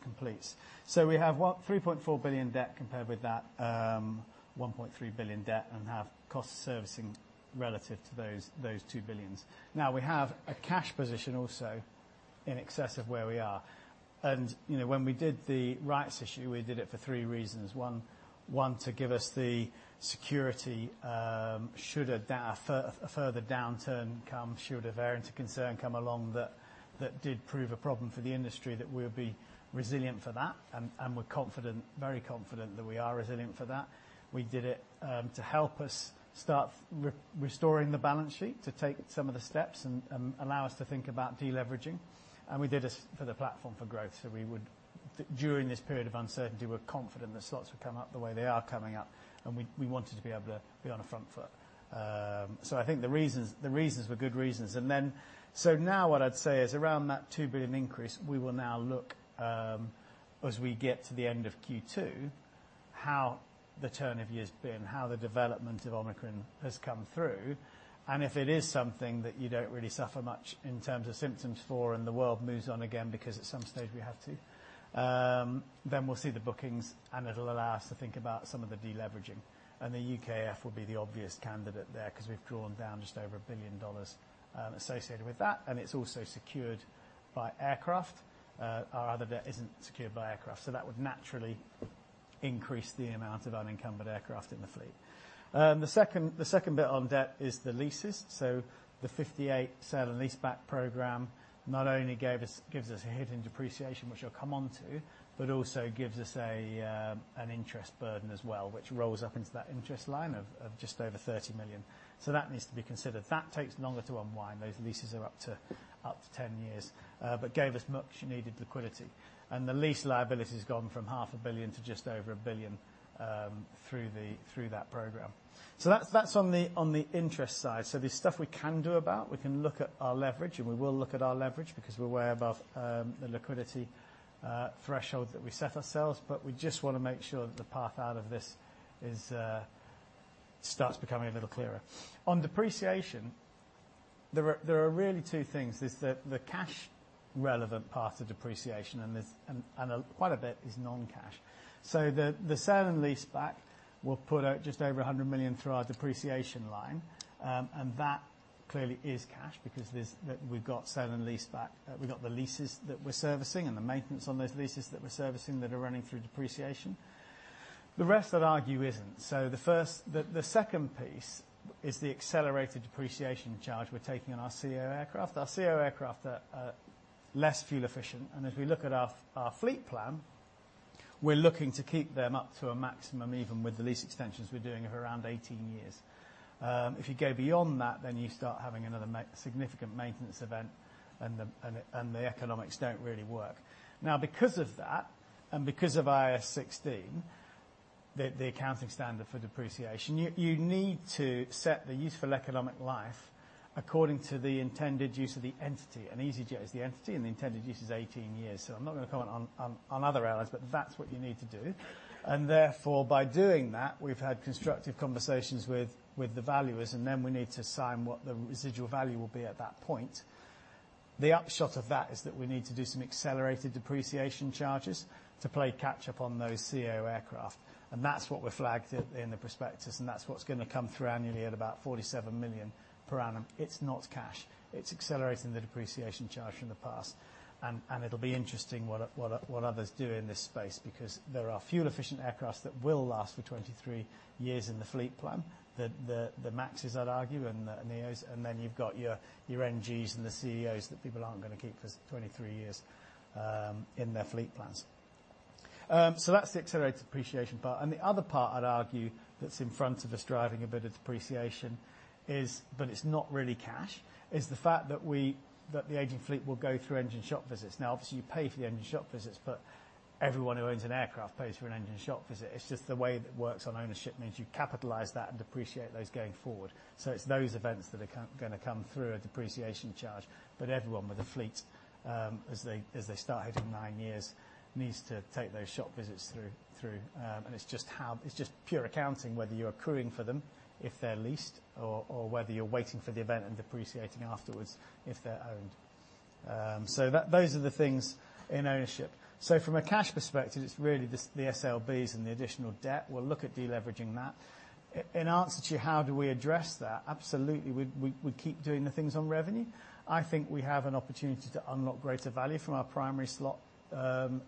completes. We have 3.4 billion debt compared with that 1.3 billion debt, and the cost of servicing relative to those two billion. Now we have a cash position also in excess of where we are. You know, when we did the rights issue, we did it for three reasons. One, to give us the security should a further downturn come, should a variant of concern come along that did prove a problem for the industry, that we would be resilient for that. We're confident, very confident that we are resilient for that. We did it to help us start restoring the balance sheet, to take some of the steps and allow us to think about deleveraging. We did this for the platform for growth. We would, during this period of uncertainty, we're confident the slots would come up the way they are coming up, and we wanted to be able to be on the front foot. I think the reasons were good reasons. Now what I'd say is around that 2 billion increase, we will now look, as we get to the end of Q2, how the turn of the year has been, how the development of Omicron has come through, and if it is something that you don't really suffer much in terms of symptoms for and the world moves on again, because at some stage we have to, then we'll see the bookings and it'll allow us to think about some of the deleveraging. The UKEF will be the obvious candidate there, because we've drawn down just over $1 billion associated with that, and it's also secured by aircraft. Our other debt isn't secured by aircraft, so that would naturally increase the amount of unencumbered aircraft in the fleet. The second bit on debt is the leases. The 58 sale and leaseback program not only gives us a hit in depreciation, which I'll come on to, but also gives us an interest burden as well, which rolls up into that interest line of just over 30 million. That needs to be considered. That takes longer to unwind. Those leases are up to 10 years, but gave us much-needed liquidity. The lease liability's gone from 500 million to just over 1 billion through that program. That's on the interest side. There's stuff we can do about. We can look at our leverage, and we will look at our leverage because we're way above the liquidity threshold that we set ourselves, but we just want to make sure that the path out of this is starts becoming a little clearer. On depreciation, there are really two things. There's the cash relevant part of depreciation and there's a quite a bit is non-cash. So, the sell and leaseback will put out just over 100 million through our depreciation line, and that clearly is cash because we've got sell and leaseback, we've got the leases that we're servicing and the maintenance on those leases that we're servicing that are running through depreciation. The rest I'd argue isn't. The second piece is the accelerated depreciation charge we're taking on our ceo aircraft. Our ceo aircraft are less fuel efficient, and if we look at our fleet plan, we're looking to keep them up to a maximum, even with the lease extensions we're doing, of around 18 years. If you go beyond that, then you start having another significant maintenance event and the economics don't really work. Now, because of that, and because of IAS 16, the accounting standard for depreciation, you need to set the useful economic life according to the intended use of the entity. easyJet is the entity, and the intended use is 18 years. I'm not going to comment on other airlines, but that's what you need to do. Therefore, by doing that, we've had constructive conversations with the valuers, and then we need to assign what the residual value will be at that point. The upshot of that is that we need to do some accelerated depreciation charges to play catch up on those ceo aircraft, and that's what we flagged in the prospectus, and that's what's gonna come through annually at about 47 million per annum. It's not cash. It's accelerating the depreciation charge from the past. It'll be interesting what others do in this space because there are fuel-efficient aircraft that will last for 23 years in the fleet plan. The MAXs I'd argue, and the NEOs, and then you've got your NGs and the ceos that people aren't gonna keep for 23 years in their fleet plans. That's the accelerated depreciation part. The other part I'd argue that's in front of us driving a bit of depreciation is, but it's not really cash, is the fact that we that the aging fleet will go through engine shop visits. Now, obviously, you pay for the engine shop visits, but everyone who owns an aircraft pays for an engine shop visit. It's just the way it works on ownership means you capitalize that and depreciate those going forward. So, it's those events that are come gonna come through a depreciation charge. But everyone with a fleet as they start hitting nine years needs to take those shop visits through. And it's just how it's just pure accounting, whether you're accruing for them if they're leased or whether you're waiting for the event and depreciating afterwards if they're owned. So that those are the things in ownership. From a cash perspective, it's really just the SLBs and the additional debt. We'll look at deleveraging that. In answer to how do we address that, absolutely, we keep doing the things on revenue. I think we have an opportunity to unlock greater value from our primary slot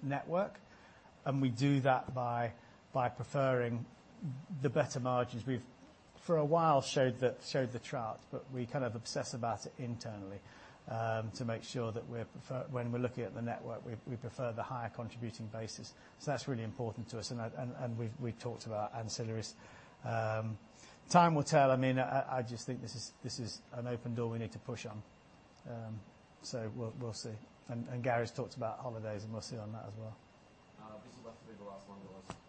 network, and we do that by preferring the better margins. We've for a while showed the chart, but we kind of obsess about it internally to make sure that when we're looking at the network, we prefer the higher contributing basis. That's really important to us, and we've talked about ancillaries. Time will tell. I mean, I just think this is an open door we need to push on. We'll see. Gary's talked about holidays, and we'll see on that as well. This is about to be the last one. The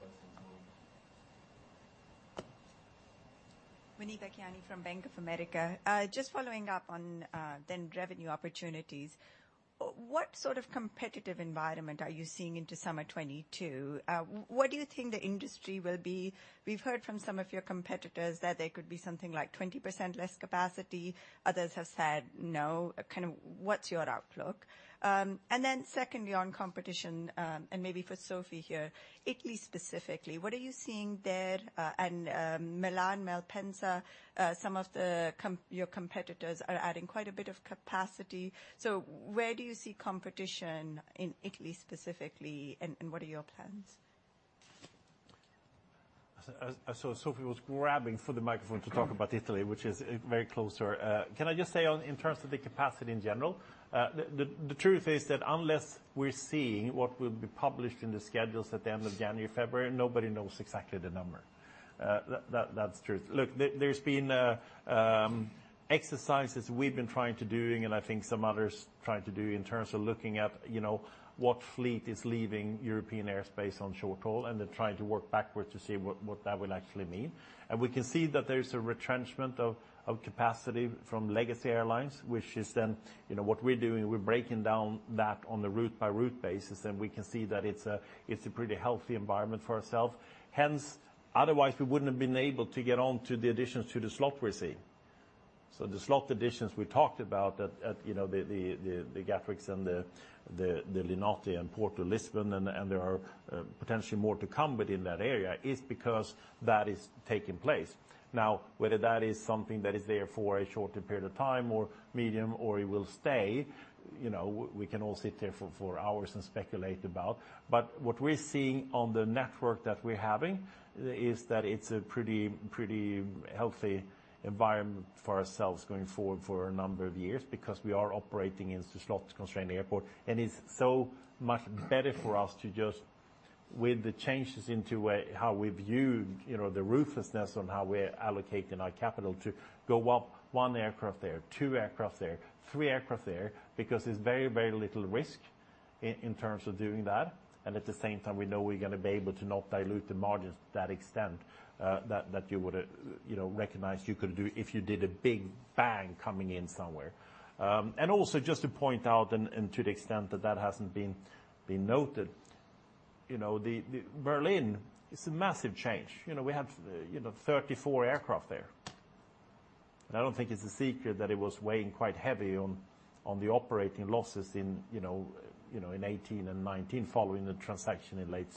last question coming. Muneeba Kayani from Bank of America. Just following up on then revenue opportunities. What sort of competitive environment are you seeing into summer 2022? What do you think the industry will be? We've heard from some of your competitors that there could be something like 20% less capacity. Others have said no. Kind of what's your outlook? Secondly, on competition, and maybe for Sophie here, Italy specifically. What are you seeing there? Milan Malpensa, some of your competitors are adding quite a bit of capacity. So where do you see competition in Italy specifically, and what are your plans? I saw Sophie was grabbing for the microphone to talk about Italy, which is very close to her. Can I just say on, in terms of the capacity in general, the truth is that unless we're seeing what will be published in the schedules at the end of January, February, nobody knows exactly the number. That's true. Look, there's been exercises we've been trying to do, and I think some others trying to do in terms of looking at, you know, what fleet is leaving European airspace on short haul, and they're trying to work backwards to see what that will actually mean. We can see that there's a retrenchment of capacity from legacy airlines, which is then, you know, what we're doing. We're breaking down that on a route-by-route basis, and we can see that it's a pretty healthy environment for ourself. Hence, otherwise, we wouldn't have been able to get on to the additions to the slot we're seeing. The slot additions we talked about at, you know, the Gatwicks and the Linate and Porto, Lisbon, and there are potentially more to come within that area, is because that is taking place. Now, whether that is something that is there for a shorter period of time or medium, or it will stay, you know, we can all sit here for hours and speculate about. What we're seeing on the network that we're having is that it's a pretty healthy environment for ourselves going forward for a number of years because we are operating into slot-constrained airport. It's so much better for us to just, with the changes into how we view, you know, the ruthlessness on how we're allocating our capital to go up one aircraft there, two aircraft there, three aircraft there, because there's very little risk in terms of doing that. At the same time, we know we're gonna be able to not dilute the margins to that extent, that you would, you know, recognize you could do if you did a big bang coming in somewhere. Also just to point out, to the extent that that hasn't been noted, you know, the Berlin is a massive change. You know, we have 34 aircraft there. I don't think it's a secret that it was weighing quite heavy on the operating losses in 2018 and 2019 following the transaction in late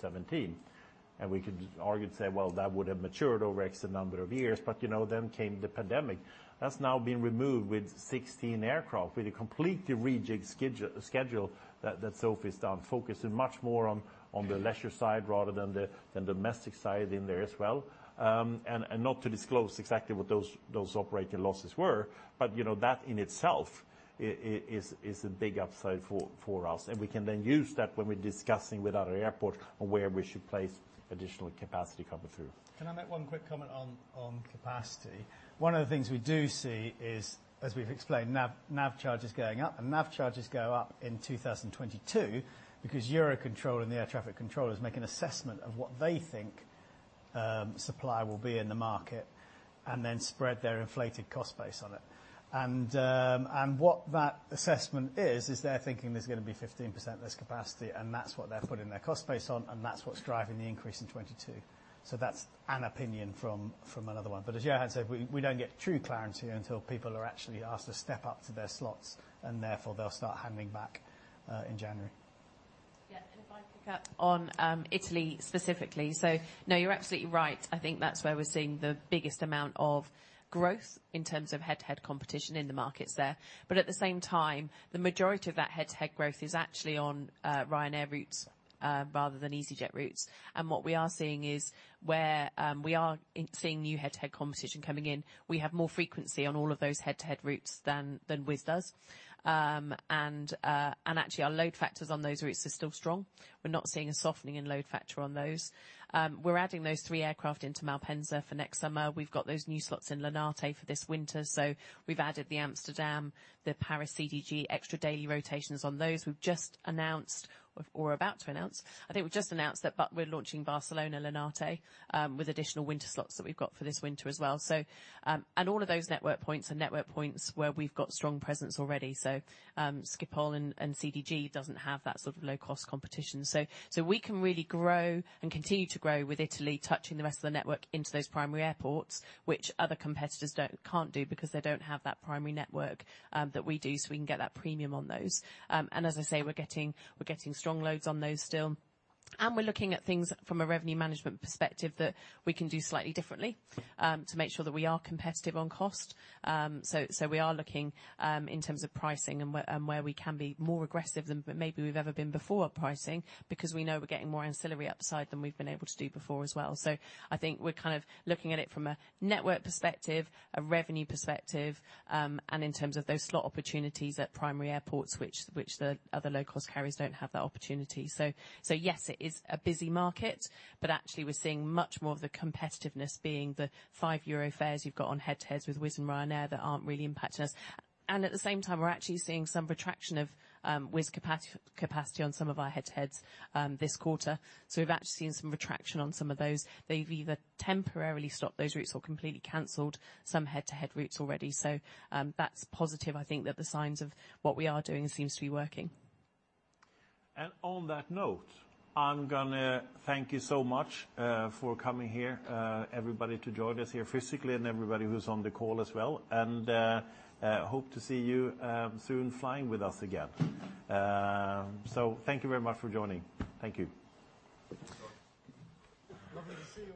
2017. We could argue and say, well, that would have matured over X number of years, but you know, then came the pandemic. That's now been removed with 16 aircraft with a completely rejigged schedule that Sophie's done, focusing much more on the leisure side rather than the domestic side in there as well. Not to disclose exactly what those operating losses were, but you know, that in itself is a big upside for us. We can then use that when we're discussing with other airports on where we should place additional capacity coming through. Can I make one quick comment on capacity? One of the things we do see is, as we've explained, nav charges going up, and nav charges go up in 2022 because EUROCONTROL and the air traffic controllers make an assessment of what they think supply will be in the market and then spread their inflated cost base on it. What that assessment is they're thinking there's gonna be 15% less capacity, and that's what they're putting their cost base on, and that's what's driving the increase in 2022. That's an opinion from another one. As Johan said, we don't get true clarity until people are actually asked to step up to their slots, and therefore they'll start handing back in January. Yeah, if I pick up on Italy specifically. No, you're absolutely right. I think that's where we're seeing the biggest amount of growth in terms of head-to-head competition in the markets there. But at the same time, the majority of that head-to-head growth is actually on Ryanair routes rather than easyJet routes. What we are seeing is where we are seeing new head-to-head competition coming in, we have more frequency on all of those head-to-head routes than Wizz does. Actually, our load factors on those routes are still strong. We're not seeing a softening in load factor on those. We're adding those three aircraft into Malpensa for next summer. We've got those new slots in Linate for this winter. We've added the Amsterdam, the Paris CDG extra daily rotations on those. We've just announced that we're launching Barcelona, Linate, with additional winter slots that we've got for this winter as well. All of those network points are where we've got strong presence already. Schiphol and CDG doesn't have that sort of low-cost competition. We can really grow and continue to grow with Italy touching the rest of the network into those primary airports, which other competitors can't do because they don't have that primary network that we do, so we can get that premium on those. As I say, we're getting strong loads on those still. We're looking at things from a revenue management perspective that we can do slightly differently to make sure that we are competitive on cost. We are looking in terms of pricing and where we can be more aggressive than maybe we've ever been before at pricing because we know we're getting more ancillary upside than we've been able to do before as well. I think we're kind of looking at it from a network perspective, a revenue perspective, and in terms of those slot opportunities at primary airports, which the other low-cost carriers don't have that opportunity. Yes, it is a busy market, but actually we're seeing much more of the competitiveness being the 5 euro fares you've got on head-to-heads with Wizz and Ryanair that aren't really impacting us. At the same time, we're actually seeing some retraction of Wizz capacity on some of our head-to-heads this quarter. We've actually seen some retraction on some of those. They've either temporarily stopped those routes or completely canceled some head-to-head routes already. That's positive. I think that the signs of what we are doing seems to be working. On that note, I'm gonna thank you so much for coming here, everybody to join us here physically and everybody who's on the call as well. I hope to see you soon flying with us again. Thank you very much for joining. Thank you.